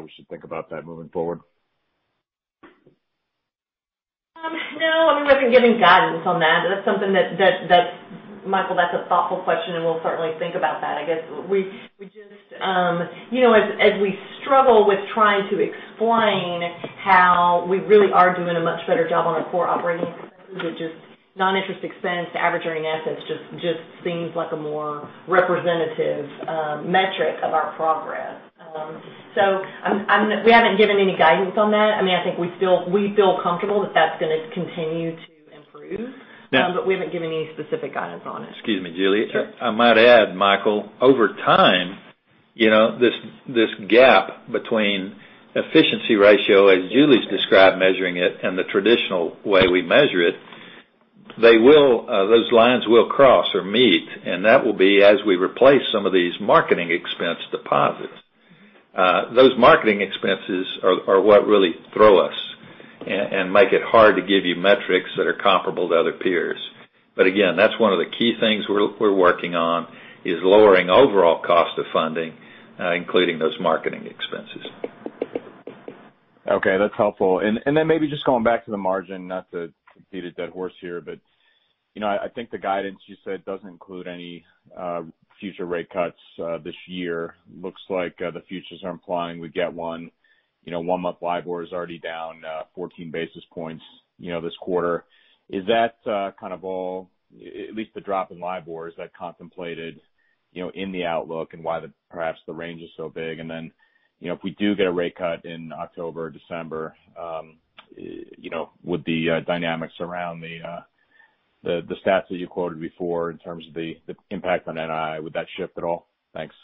[SPEAKER 10] we should think about that moving forward?
[SPEAKER 4] We haven't given guidance on that. Michael, that's a thoughtful question, and we'll certainly think about that. We struggle with trying to explain how we really are doing a much better job on our core operating expenses, which is non-interest expense to average earning assets, just seems like a more representative metric of our progress. We haven't given any guidance on that. I think we feel comfortable that's going to continue to improve.
[SPEAKER 10] Yeah.
[SPEAKER 4] We haven't given any specific guidance on it.
[SPEAKER 3] Excuse me, Julie.
[SPEAKER 4] Sure.
[SPEAKER 3] I might add, Michael, over time, this gap between efficiency ratio, as Julie's described measuring it, and the traditional way we measure it, those lines will cross or meet, and that will be as we replace some of these marketing expense deposits. Those marketing expenses are what really throw us and make it hard to give you metrics that are comparable to other peers. Again, that's one of the key things we're working on is lowering overall cost of funding including those marketing expenses.
[SPEAKER 10] Okay, that's helpful. Then maybe just going back to the margin, not to beat a dead horse here, but I think the guidance you said doesn't include any future rate cuts this year. Looks like the futures are implying we get one. One-month LIBOR is already down 14 basis points this quarter. Is that kind of all, at least the drop in LIBOR, is that contemplated in the outlook, and why perhaps the range is so big? Then, if we do get a rate cut in October, December, with the dynamics around the stats that you quoted before in terms of the impact on NII, would that shift at all? Thanks.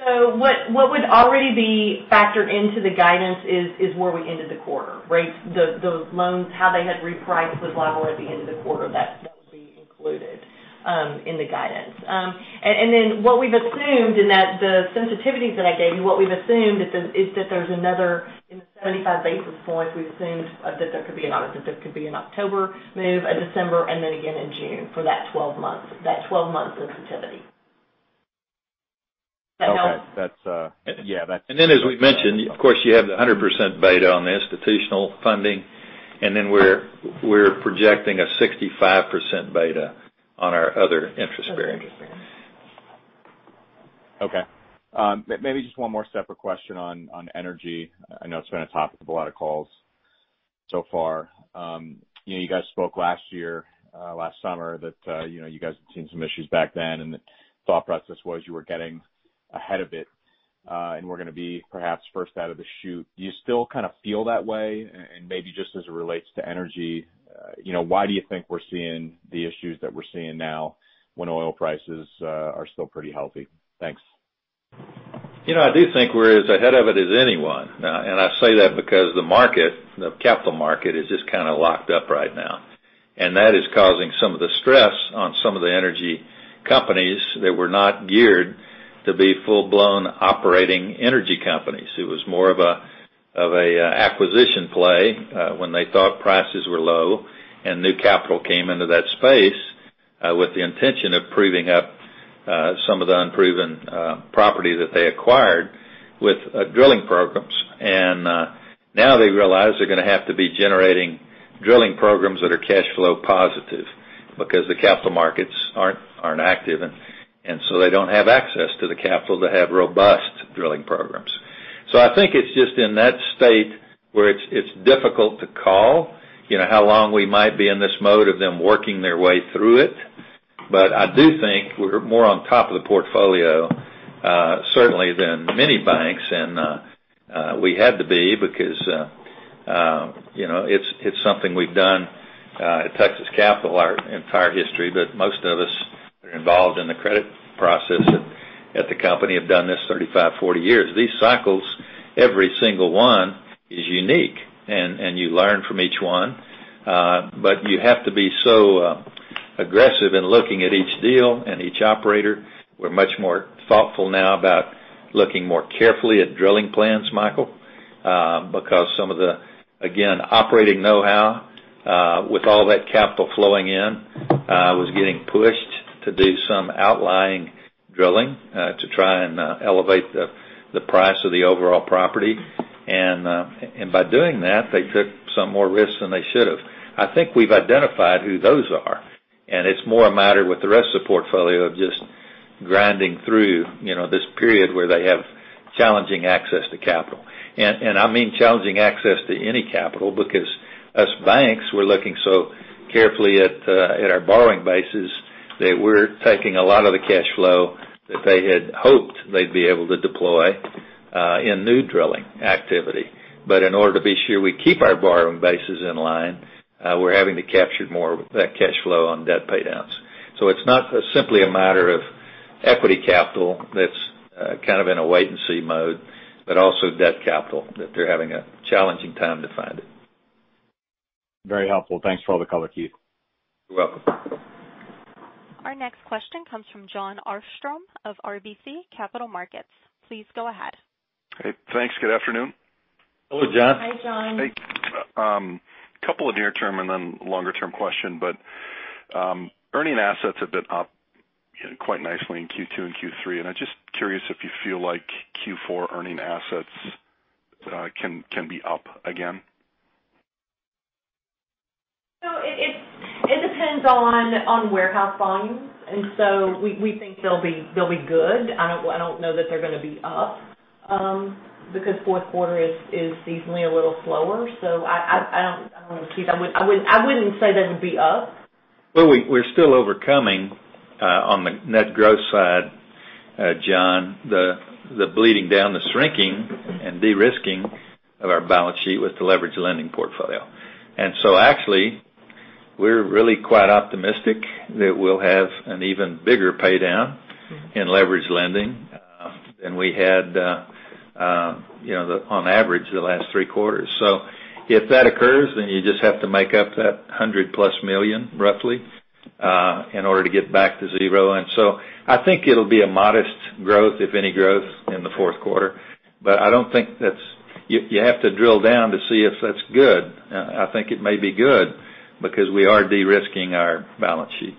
[SPEAKER 4] What would already be factored into the guidance is where we ended the quarter. Those loans, how they had repriced with LIBOR at the end of the quarter, that would be included in the guidance. Then what we've assumed in the sensitivities that I gave you, what we've assumed is that there's another in the 75 basis points, we've assumed that there could be an August, there could be an October move, a December, and then again in June for that 12 months sensitivity. Does that help?
[SPEAKER 10] Okay. Yeah.
[SPEAKER 3] As we mentioned, of course, you have the 100% beta on the institutional funding, and then we're projecting a 65% beta on our other interest bearing.
[SPEAKER 10] Okay. Maybe just one more separate question on energy. I know it's been a topic of a lot of calls so far. You guys spoke last year, last summer that you guys had seen some issues back then, and the thought process was you were getting ahead of it. We're going to be perhaps first out of the chute. Do you still kind of feel that way? Maybe just as it relates to energy, why do you think we're seeing the issues that we're seeing now when oil prices are still pretty healthy? Thanks.
[SPEAKER 3] I do think we're as ahead of it as anyone. I say that because the market, the capital market, is just kind of locked up right now, and that is causing some of the stress on some of the energy companies that were not geared to be full-blown operating energy companies. It was more of an acquisition play when they thought prices were low and new capital came into that space, with the intention of proving up some of the unproven property that they acquired with drilling programs. Now they realize they're going to have to be generating drilling programs that are cash flow positive because the capital markets aren't active, and so they don't have access to the capital to have robust drilling programs. I think it's just in that state where it's difficult to call, how long we might be in this mode of them working their way through it. I do think we're more on top of the portfolio, certainly, than many banks, and we had to be because it's something we've done at Texas Capital our entire history. Most of us that are involved in the credit process at the company have done this 35, 40 years. These cycles, every single one is unique, and you learn from each one. You have to be so aggressive in looking at each deal and each operator. We're much more thoughtful now about looking more carefully at drilling plans, Michael, because some of the, again, operating know-how, with all that capital flowing in, was getting pushed to do some outlying drilling to try and elevate the price of the overall property. By doing that, they took some more risks than they should have. I think we've identified who those are, and it's more a matter with the rest of the portfolio of just grinding through this period where they have challenging access to capital. I mean challenging access to any capital because us banks, we're looking so carefully at our borrowing bases that we're taking a lot of the cash flow that they had hoped they'd be able to deploy in new drilling activity. In order to be sure we keep our borrowing bases in line, we're having to capture more of that cash flow on debt paydowns. It's not simply a matter of equity capital that's kind of in a wait-and-see mode, but also debt capital, that they're having a challenging time to find it.
[SPEAKER 10] Very helpful. Thanks for all the color, Keith.
[SPEAKER 3] You're welcome.
[SPEAKER 1] Our next question comes from Jon Arfstrom of RBC Capital Markets. Please go ahead.
[SPEAKER 11] Hey, thanks. Good afternoon.
[SPEAKER 3] Hello, Jon.
[SPEAKER 4] Hi, Jon.
[SPEAKER 11] Hey. Couple of near-term and then longer-term question. Earning assets have been up quite nicely in Q2 and Q3. I'm just curious if you feel like Q4 earning assets can be up again?
[SPEAKER 4] It depends on warehouse volumes. We think they'll be good. I don't know that they're going to be up, because fourth quarter is seasonally a little slower. I don't know, Keith, I wouldn't say they would be up.
[SPEAKER 3] Well, we're still overcoming, on the net growth side, Jon, the bleeding down, the shrinking and de-risking of our balance sheet with the leverage lending portfolio. Actually, we're really quite optimistic that we'll have an even bigger paydown in leverage lending than we had on average the last three quarters. If that occurs, then you just have to make up that $100-plus million, roughly, in order to get back to zero. I think it'll be a modest growth, if any growth in the fourth quarter. You have to drill down to see if that's good. I think it may be good because we are de-risking our balance sheet.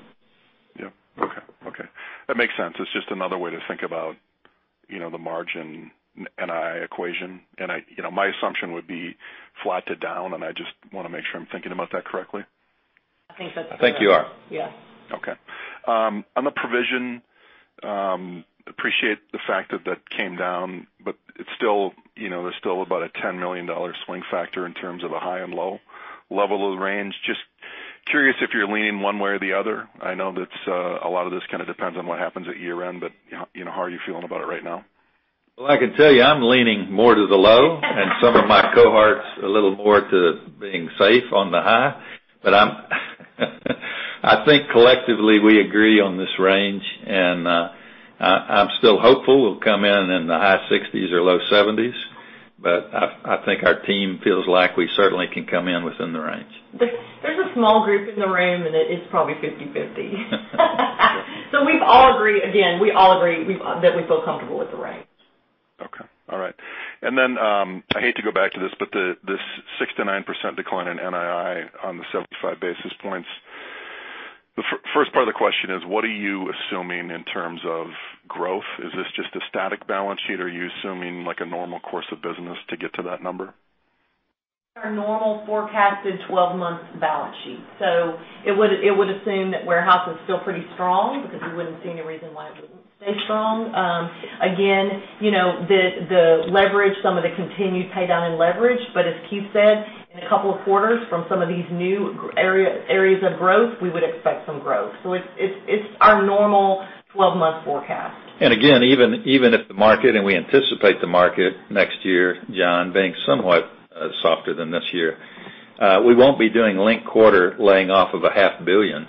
[SPEAKER 11] Yep. Okay. That makes sense. It's just another way to think about the margin NII equation. My assumption would be flat to down, and I just want to make sure I'm thinking about that correctly.
[SPEAKER 4] I think that's correct.
[SPEAKER 3] I think you are.
[SPEAKER 4] Yes.
[SPEAKER 11] Okay. On the provision, appreciate the fact that that came down, but there's still about a $10 million swing factor in terms of a high and low level of the range. Just curious if you're leaning one way or the other. I know that a lot of this kind of depends on what happens at year-end, but how are you feeling about it right now?
[SPEAKER 3] I can tell you, I'm leaning more to the low- and some of my cohorts, a little more to being safe on the high. I think collectively, we agree on this range, and I'm still hopeful we'll come in in the high 60s or low 70s. I think our team feels like we certainly can come in within the range.
[SPEAKER 4] There's a small group in the room, and it's probably 50/50. We all agree, again, we all agree that we feel comfortable with the range.
[SPEAKER 11] Okay. All right. I hate to go back to this, but this 6%-9% decline in NII on the 75 basis points. The first part of the question is, what are you assuming in terms of growth? Is this just a static balance sheet, or are you assuming, like, a normal course of business to get to that number?
[SPEAKER 4] Our normal forecasted 12-month balance sheet. It would assume that warehouse is still pretty strong because we wouldn't see any reason why it wouldn't stay strong. Again, the leverage, some of the continued pay down in leverage, but as Keith said, in a couple of quarters from some of these new areas of growth, we would expect some growth. It's our normal 12-month forecast.
[SPEAKER 3] Again, even if the market, we anticipate the market next year, Jon, being somewhat softer than this year, we won't be doing linked quarter laying off of a half billion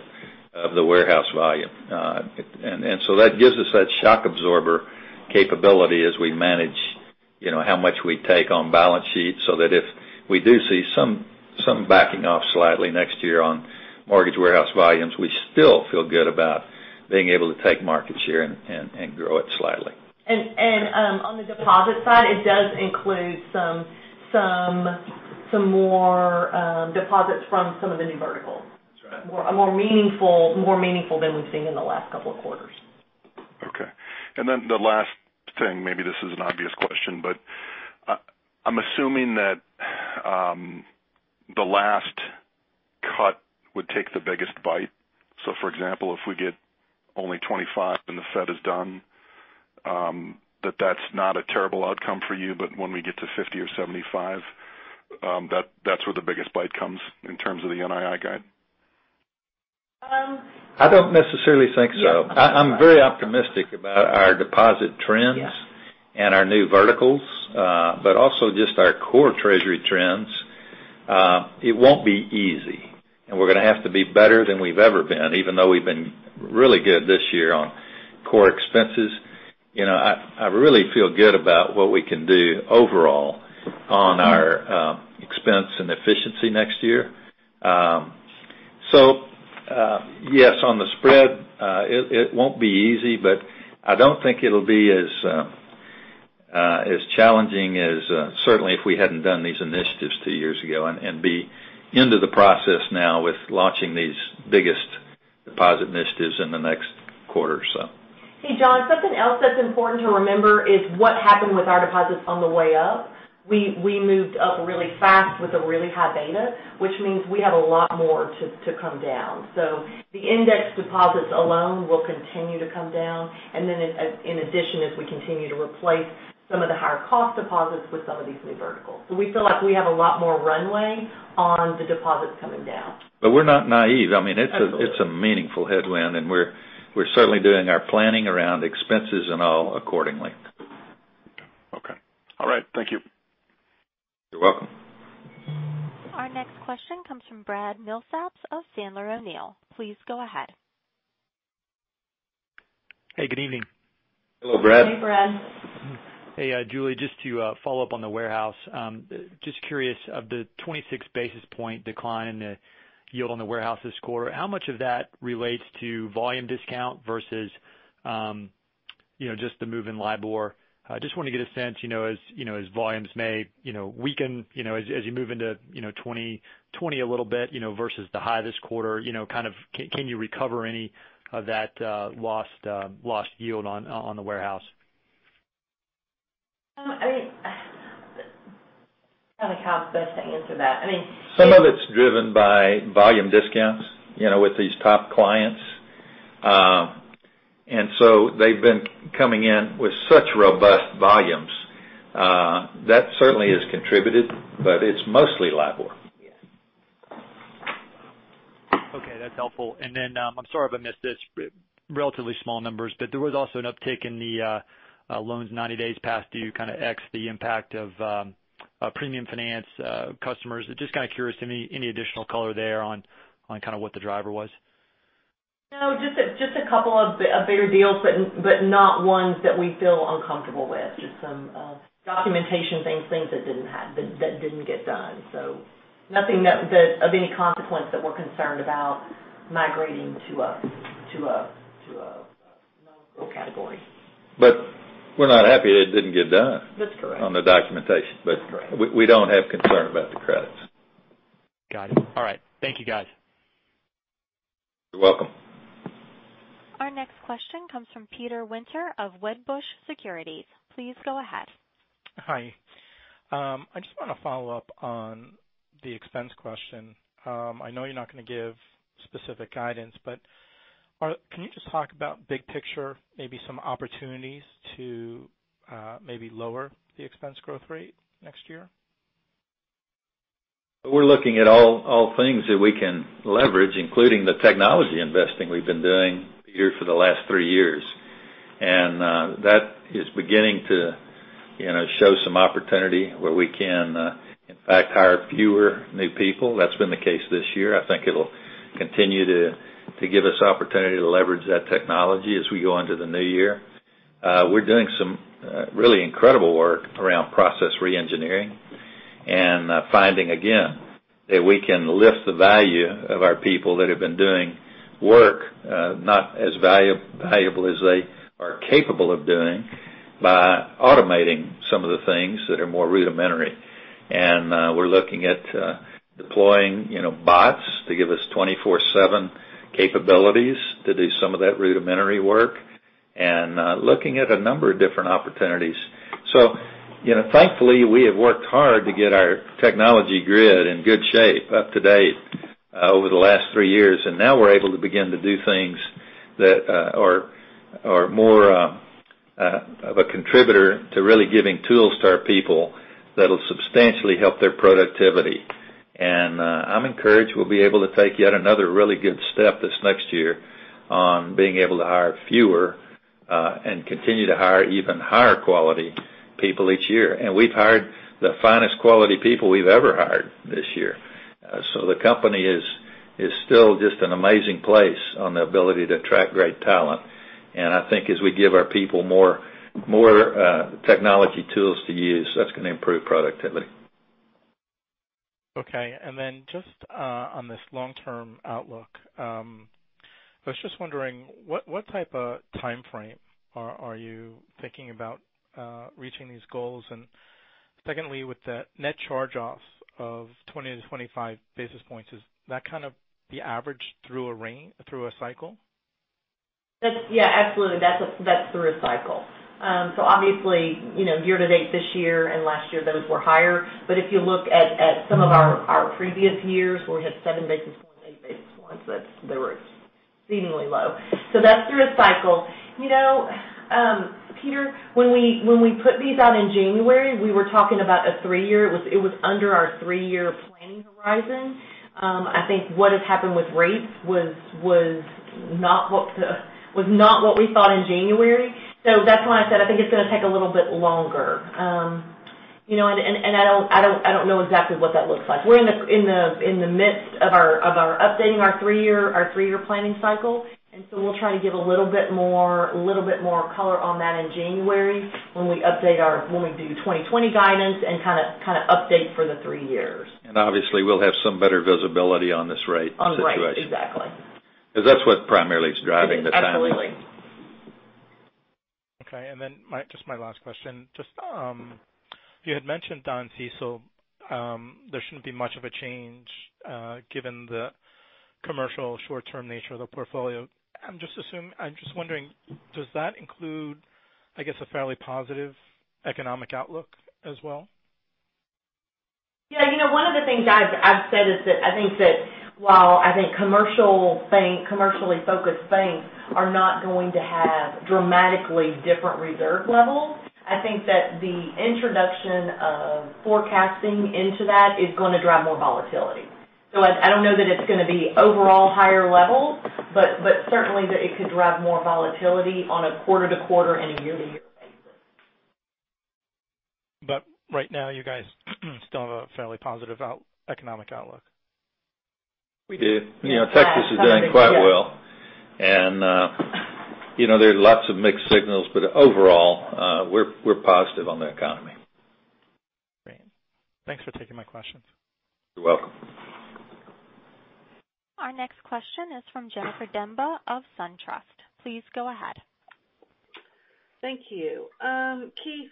[SPEAKER 3] of the warehouse volume. That gives us that shock absorber capability as we manage how much we take on balance sheet, so that if we do see some backing off slightly next year on mortgage warehouse volumes, we still feel good about being able to take market share and grow it slightly.
[SPEAKER 4] On the deposit side, it does include some more deposits from some of the new verticals.
[SPEAKER 3] That's right.
[SPEAKER 4] More meaningful than we've seen in the last couple of quarters.
[SPEAKER 11] Okay. The last thing, maybe this is an obvious question, I'm assuming that the last cut would take the biggest bite. For example, if we get only 25 and the Fed is done, that that's not a terrible outcome for you, when we get to 50 or 75, that's where the biggest bite comes in terms of the NII guide?
[SPEAKER 3] I don't necessarily think so.
[SPEAKER 4] Yeah.
[SPEAKER 3] I'm very optimistic about our deposit trends.
[SPEAKER 4] Yeah
[SPEAKER 3] Our new verticals, but also just our core treasury trends. It won't be easy, and we're going to have to be better than we've ever been, even though we've been really good this year on core expenses. I really feel good about what we can do overall on our expense and efficiency next year. Yes, on the spread, it won't be easy, but I don't think it'll be as challenging as certainly if we hadn't done these initiatives two years ago and be into the process now with launching these biggest deposit initiatives in the next quarter or so.
[SPEAKER 4] Hey, Jon, something else that's important to remember is what happened with our deposits on the way up. We moved up really fast with a really high beta, which means we have a lot more to come down. The index deposits alone will continue to come down, and then in addition, as we continue to replace some of the higher cost deposits with some of these new verticals. We feel like we have a lot more runway on the deposits coming down.
[SPEAKER 3] We're not naive. I mean,
[SPEAKER 4] Absolutely
[SPEAKER 3] meaningful headwind, and we're certainly doing our planning around expenses and all accordingly.
[SPEAKER 11] Okay. All right. Thank you.
[SPEAKER 3] You're welcome.
[SPEAKER 1] Our next question comes from Brad Milsaps of Sandler O'Neill. Please go ahead.
[SPEAKER 12] Hey, good evening.
[SPEAKER 3] Hello, Brad.
[SPEAKER 4] Hey, Brad.
[SPEAKER 12] Hey, Julie, just to follow up on the warehouse. Just curious, of the 26 basis point decline yield on the warehouse this quarter, how much of that relates to volume discount versus just the move in LIBOR? I just want to get a sense, as volumes may weaken, as you move into 2020 a little bit versus the high this quarter, can you recover any of that lost yield on the warehouse?
[SPEAKER 4] I don't know how to best answer that. I mean.
[SPEAKER 3] Some of it's driven by volume discounts with these top clients. They've been coming in with such robust volumes. That certainly has contributed, but it's mostly LIBOR.
[SPEAKER 4] Yes.
[SPEAKER 12] Okay, that's helpful. I'm sorry if I missed this, relatively small numbers, but there was also an uptick in the loans 90 days past due, kind of X the impact of premium finance customers. Just kind of curious, any additional color there on what the driver was?
[SPEAKER 4] No, just a couple of bigger deals, but not ones that we feel uncomfortable with. Just some documentation things that didn't get done. Nothing of any consequence that we're concerned about migrating to a loan category.
[SPEAKER 3] We're not happy that it didn't get done.
[SPEAKER 4] That's correct.
[SPEAKER 3] on the documentation.
[SPEAKER 4] That's correct.
[SPEAKER 3] We don't have concern about the credits.
[SPEAKER 12] Got it. All right. Thank you, guys.
[SPEAKER 3] You're welcome.
[SPEAKER 1] Our next question comes from Peter Winter of Wedbush Securities. Please go ahead.
[SPEAKER 13] Hi. I just want to follow up on the expense question. I know you're not going to give specific guidance, but can you just talk about big picture, maybe some opportunities to maybe lower the expense growth rate next year?
[SPEAKER 3] We're looking at all things that we can leverage, including the technology investing we've been doing here for the last three years. That is beginning to show some opportunity where we can, in fact, hire fewer new people. That's been the case this year. I think it'll continue to give us opportunity to leverage that technology as we go into the new year. We're doing some really incredible work around process re-engineering and finding again, that we can lift the value of our people that have been doing work not as valuable as they are capable of doing by automating some of the things that are more rudimentary. We're looking at deploying bots to give us 24/7 capabilities to do some of that rudimentary work and looking at a number of different opportunities. Thankfully, we have worked hard to get our technology grid in good shape up to date over the last three years, and now we're able to begin to do things that are more of a contributor to really giving tools to our people that'll substantially help their productivity. I'm encouraged we'll be able to take yet another really good step this next year on being able to hire fewer, and continue to hire even higher quality people each year. We've hired the finest quality people we've ever hired this year. The company is still just an amazing place on the ability to attract great talent. I think as we give our people more technology tools to use, that's going to improve productivity.
[SPEAKER 13] Okay, just on this long-term outlook, I was just wondering what type of timeframe are you thinking about reaching these goals? Secondly, with the net charge-offs of 20-25 basis points, is that kind of the average through a cycle?
[SPEAKER 4] Yeah, absolutely. That's through a cycle. Obviously, year to date this year and last year, those were higher. If you look at some of our previous years where we had seven basis points, eight basis points, they were exceedingly low. That's through a cycle. Peter, when we put these out in January, we were talking about a three-year. It was under our three-year planning horizon. I think what has happened with rates was not what we thought in January. That's why I said I think it's going to take a little bit longer. I don't know exactly what that looks like. We're in the midst of updating our three-year planning cycle, we'll try to give a little bit more color on that in January when we do 2020 guidance and kind of update for the three years.
[SPEAKER 3] Obviously, we'll have some better visibility on this rate situation.
[SPEAKER 4] On the rate. Exactly.
[SPEAKER 3] Because that's what primarily is driving the timing.
[SPEAKER 4] It is. Absolutely.
[SPEAKER 13] Okay, just my last question. You had mentioned, the CECL, there shouldn't be much of a change, given the commercial short-term nature of the portfolio. I'm just wondering, does that include, I guess, a fairly positive economic outlook as well?
[SPEAKER 4] One of the things I've said is that I think that while I think commercially focused banks are not going to have dramatically different reserve levels, I think that the introduction of forecasting into that is going to drive more volatility. I don't know that it's going to be overall higher levels, but certainly that it could drive more volatility on a quarter-to-quarter and a year-to-year basis.
[SPEAKER 13] Right now, you guys still have a fairly positive economic outlook.
[SPEAKER 3] We do.
[SPEAKER 4] Yeah.
[SPEAKER 3] Texas is doing quite well. There are lots of mixed signals, but overall, we're positive on the economy.
[SPEAKER 13] Great. Thanks for taking my questions.
[SPEAKER 3] You're welcome.
[SPEAKER 1] Our next question is from Jennifer Demba of SunTrust. Please go ahead.
[SPEAKER 14] Thank you. Keith.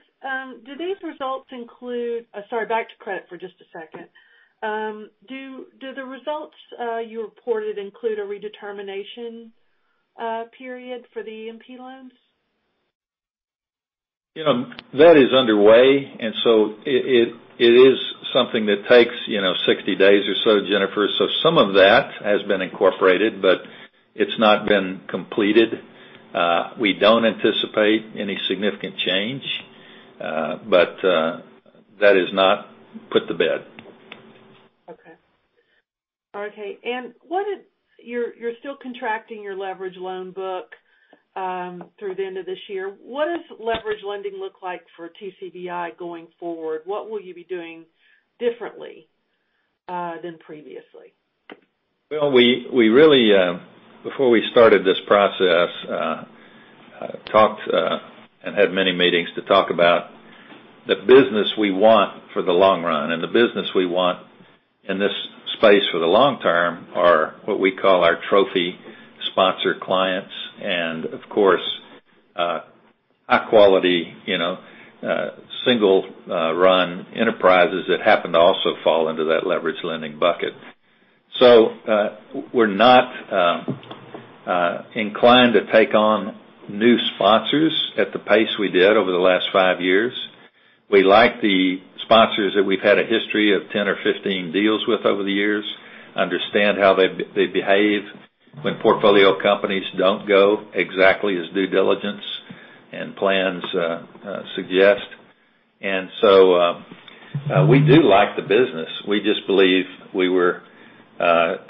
[SPEAKER 14] Sorry, back to credit for just a second. Do the results you reported include a redetermination period for the E&P loans?
[SPEAKER 3] That is underway, and so it is something that takes 60 days or so, Jennifer. Some of that has been incorporated, but it's not been completed. We don't anticipate any significant change, but that is not put to bed.
[SPEAKER 14] Okay. You're still contracting your leverage loan book through the end of this year. What does leverage lending look like for TCBI going forward? What will you be doing differently than previously?
[SPEAKER 3] Well, before we started this process, talked and had many meetings to talk about the business we want for the long run. The business we want in this space for the long term are what we call our trophy sponsor clients. Of course, high quality, single run enterprises that happen to also fall under that leverage lending bucket. We're not inclined to take on new sponsors at the pace we did over the last five years. We like the sponsors that we've had a history of 10 or 15 deals with over the years, understand how they behave when portfolio companies don't go exactly as due diligence and plans suggest. We do like the business. We just believe we were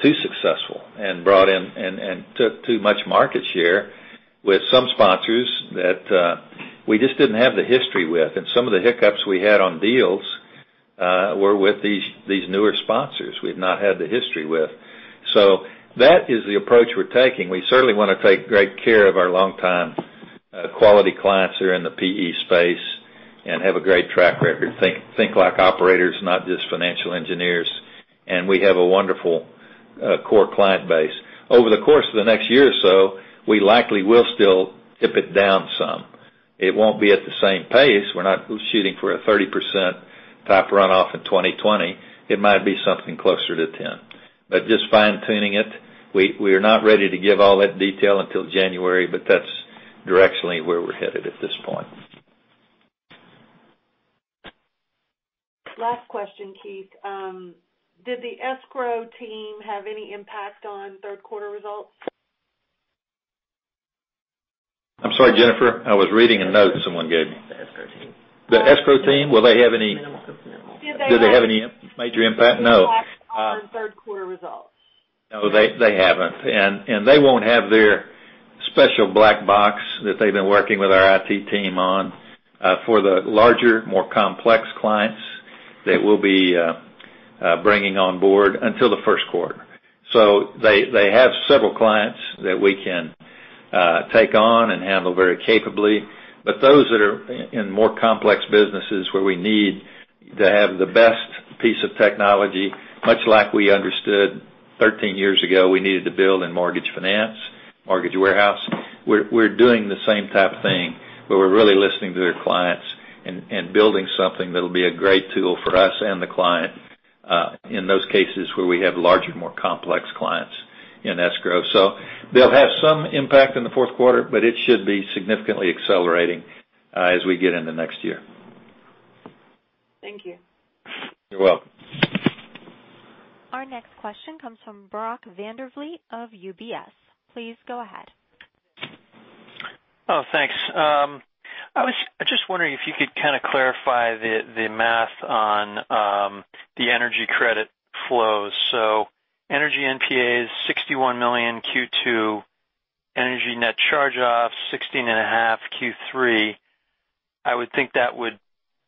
[SPEAKER 3] too successful and took too much market share with some sponsors that we just didn't have the history with. Some of the hiccups we had on deals were with these newer sponsors we've not had the history with. That is the approach we're taking. We certainly want to take great care of our longtime quality clients who are in the PE space and have a great track record. Think like operators, not just financial engineers. We have a wonderful core client base. Over the course of the next year or so, we likely will still dip it down some. It won't be at the same pace. We're not shooting for a 30% type runoff in 2020. It might be something closer to 10. Just fine-tuning it. We are not ready to give all that detail until January, but that's directionally where we're headed at this point.
[SPEAKER 14] Last question, Keith. Did the escrow team have any impact on third quarter results?
[SPEAKER 3] I'm sorry, Jennifer, I was reading a note someone gave me.
[SPEAKER 4] The escrow team.
[SPEAKER 3] The escrow team, will they have any-
[SPEAKER 4] Minimal.
[SPEAKER 14] Did they have-
[SPEAKER 3] Do they have any major impact? No.
[SPEAKER 14] Impact on third quarter results?
[SPEAKER 3] No, they haven't. They won't have their special black box that they've been working with our IT team on for the larger, more complex clients that we'll be bringing on board until the first quarter. They have several clients that we can take on and handle very capably. Those that are in more complex businesses where we need to have the best piece of technology, much like we understood 13 years ago we needed to build in mortgage finance, mortgage warehouse. We're doing the same type of thing where we're really listening to their clients and building something that'll be a great tool for us and the client, in those cases where we have larger, more complex clients in escrow. They'll have some impact in the fourth quarter, but it should be significantly accelerating as we get into next year.
[SPEAKER 14] Thank you.
[SPEAKER 3] You're welcome.
[SPEAKER 1] Our next question comes from Brock Vandervliet of UBS. Please go ahead.
[SPEAKER 15] Thanks. I was just wondering if you could kind of clarify the math on the energy credit flows. Energy NPAs, $61 million Q2. Energy net charge-offs, $16.5 Q3. I would think that would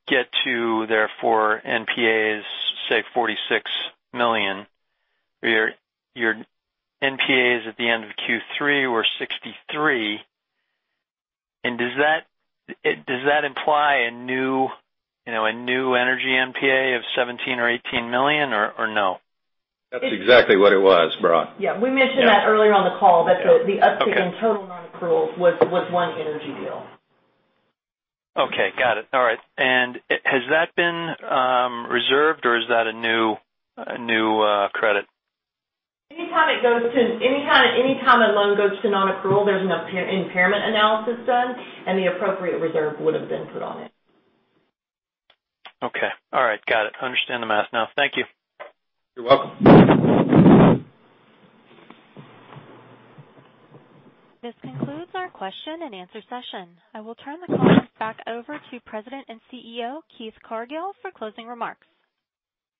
[SPEAKER 15] get to, therefore, NPAs, say, $46 million. Your NPAs at the end of Q3 were $63. Does that imply a new energy NPA of $17 million or $18 million or no?
[SPEAKER 3] That's exactly what it was, Brock.
[SPEAKER 4] Yeah, we mentioned that earlier on the call, that the uptick in total non-accruals was one energy deal.
[SPEAKER 15] Okay, got it. All right. Has that been reserved or is that a new credit?
[SPEAKER 4] Anytime a loan goes to non-accrual, there's an impairment analysis done and the appropriate reserve would've been put on it.
[SPEAKER 15] Okay. All right, got it. I understand the math now. Thank you.
[SPEAKER 3] You're welcome.
[SPEAKER 1] This concludes our question and answer session. I will turn the call back over to President and CEO, Keith Cargill, for closing remarks.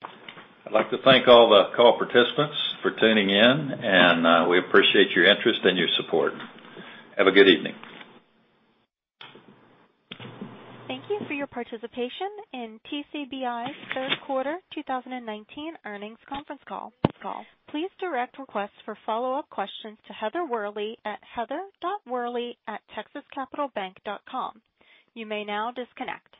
[SPEAKER 3] I'd like to thank all the call participants for tuning in, and we appreciate your interest and your support. Have a good evening.
[SPEAKER 1] Thank you for your participation in TCBI's third quarter 2019 earnings conference call. Please direct requests for follow-up questions to Heather Worley at heather.worley@texascapitalbank.com. You may now disconnect.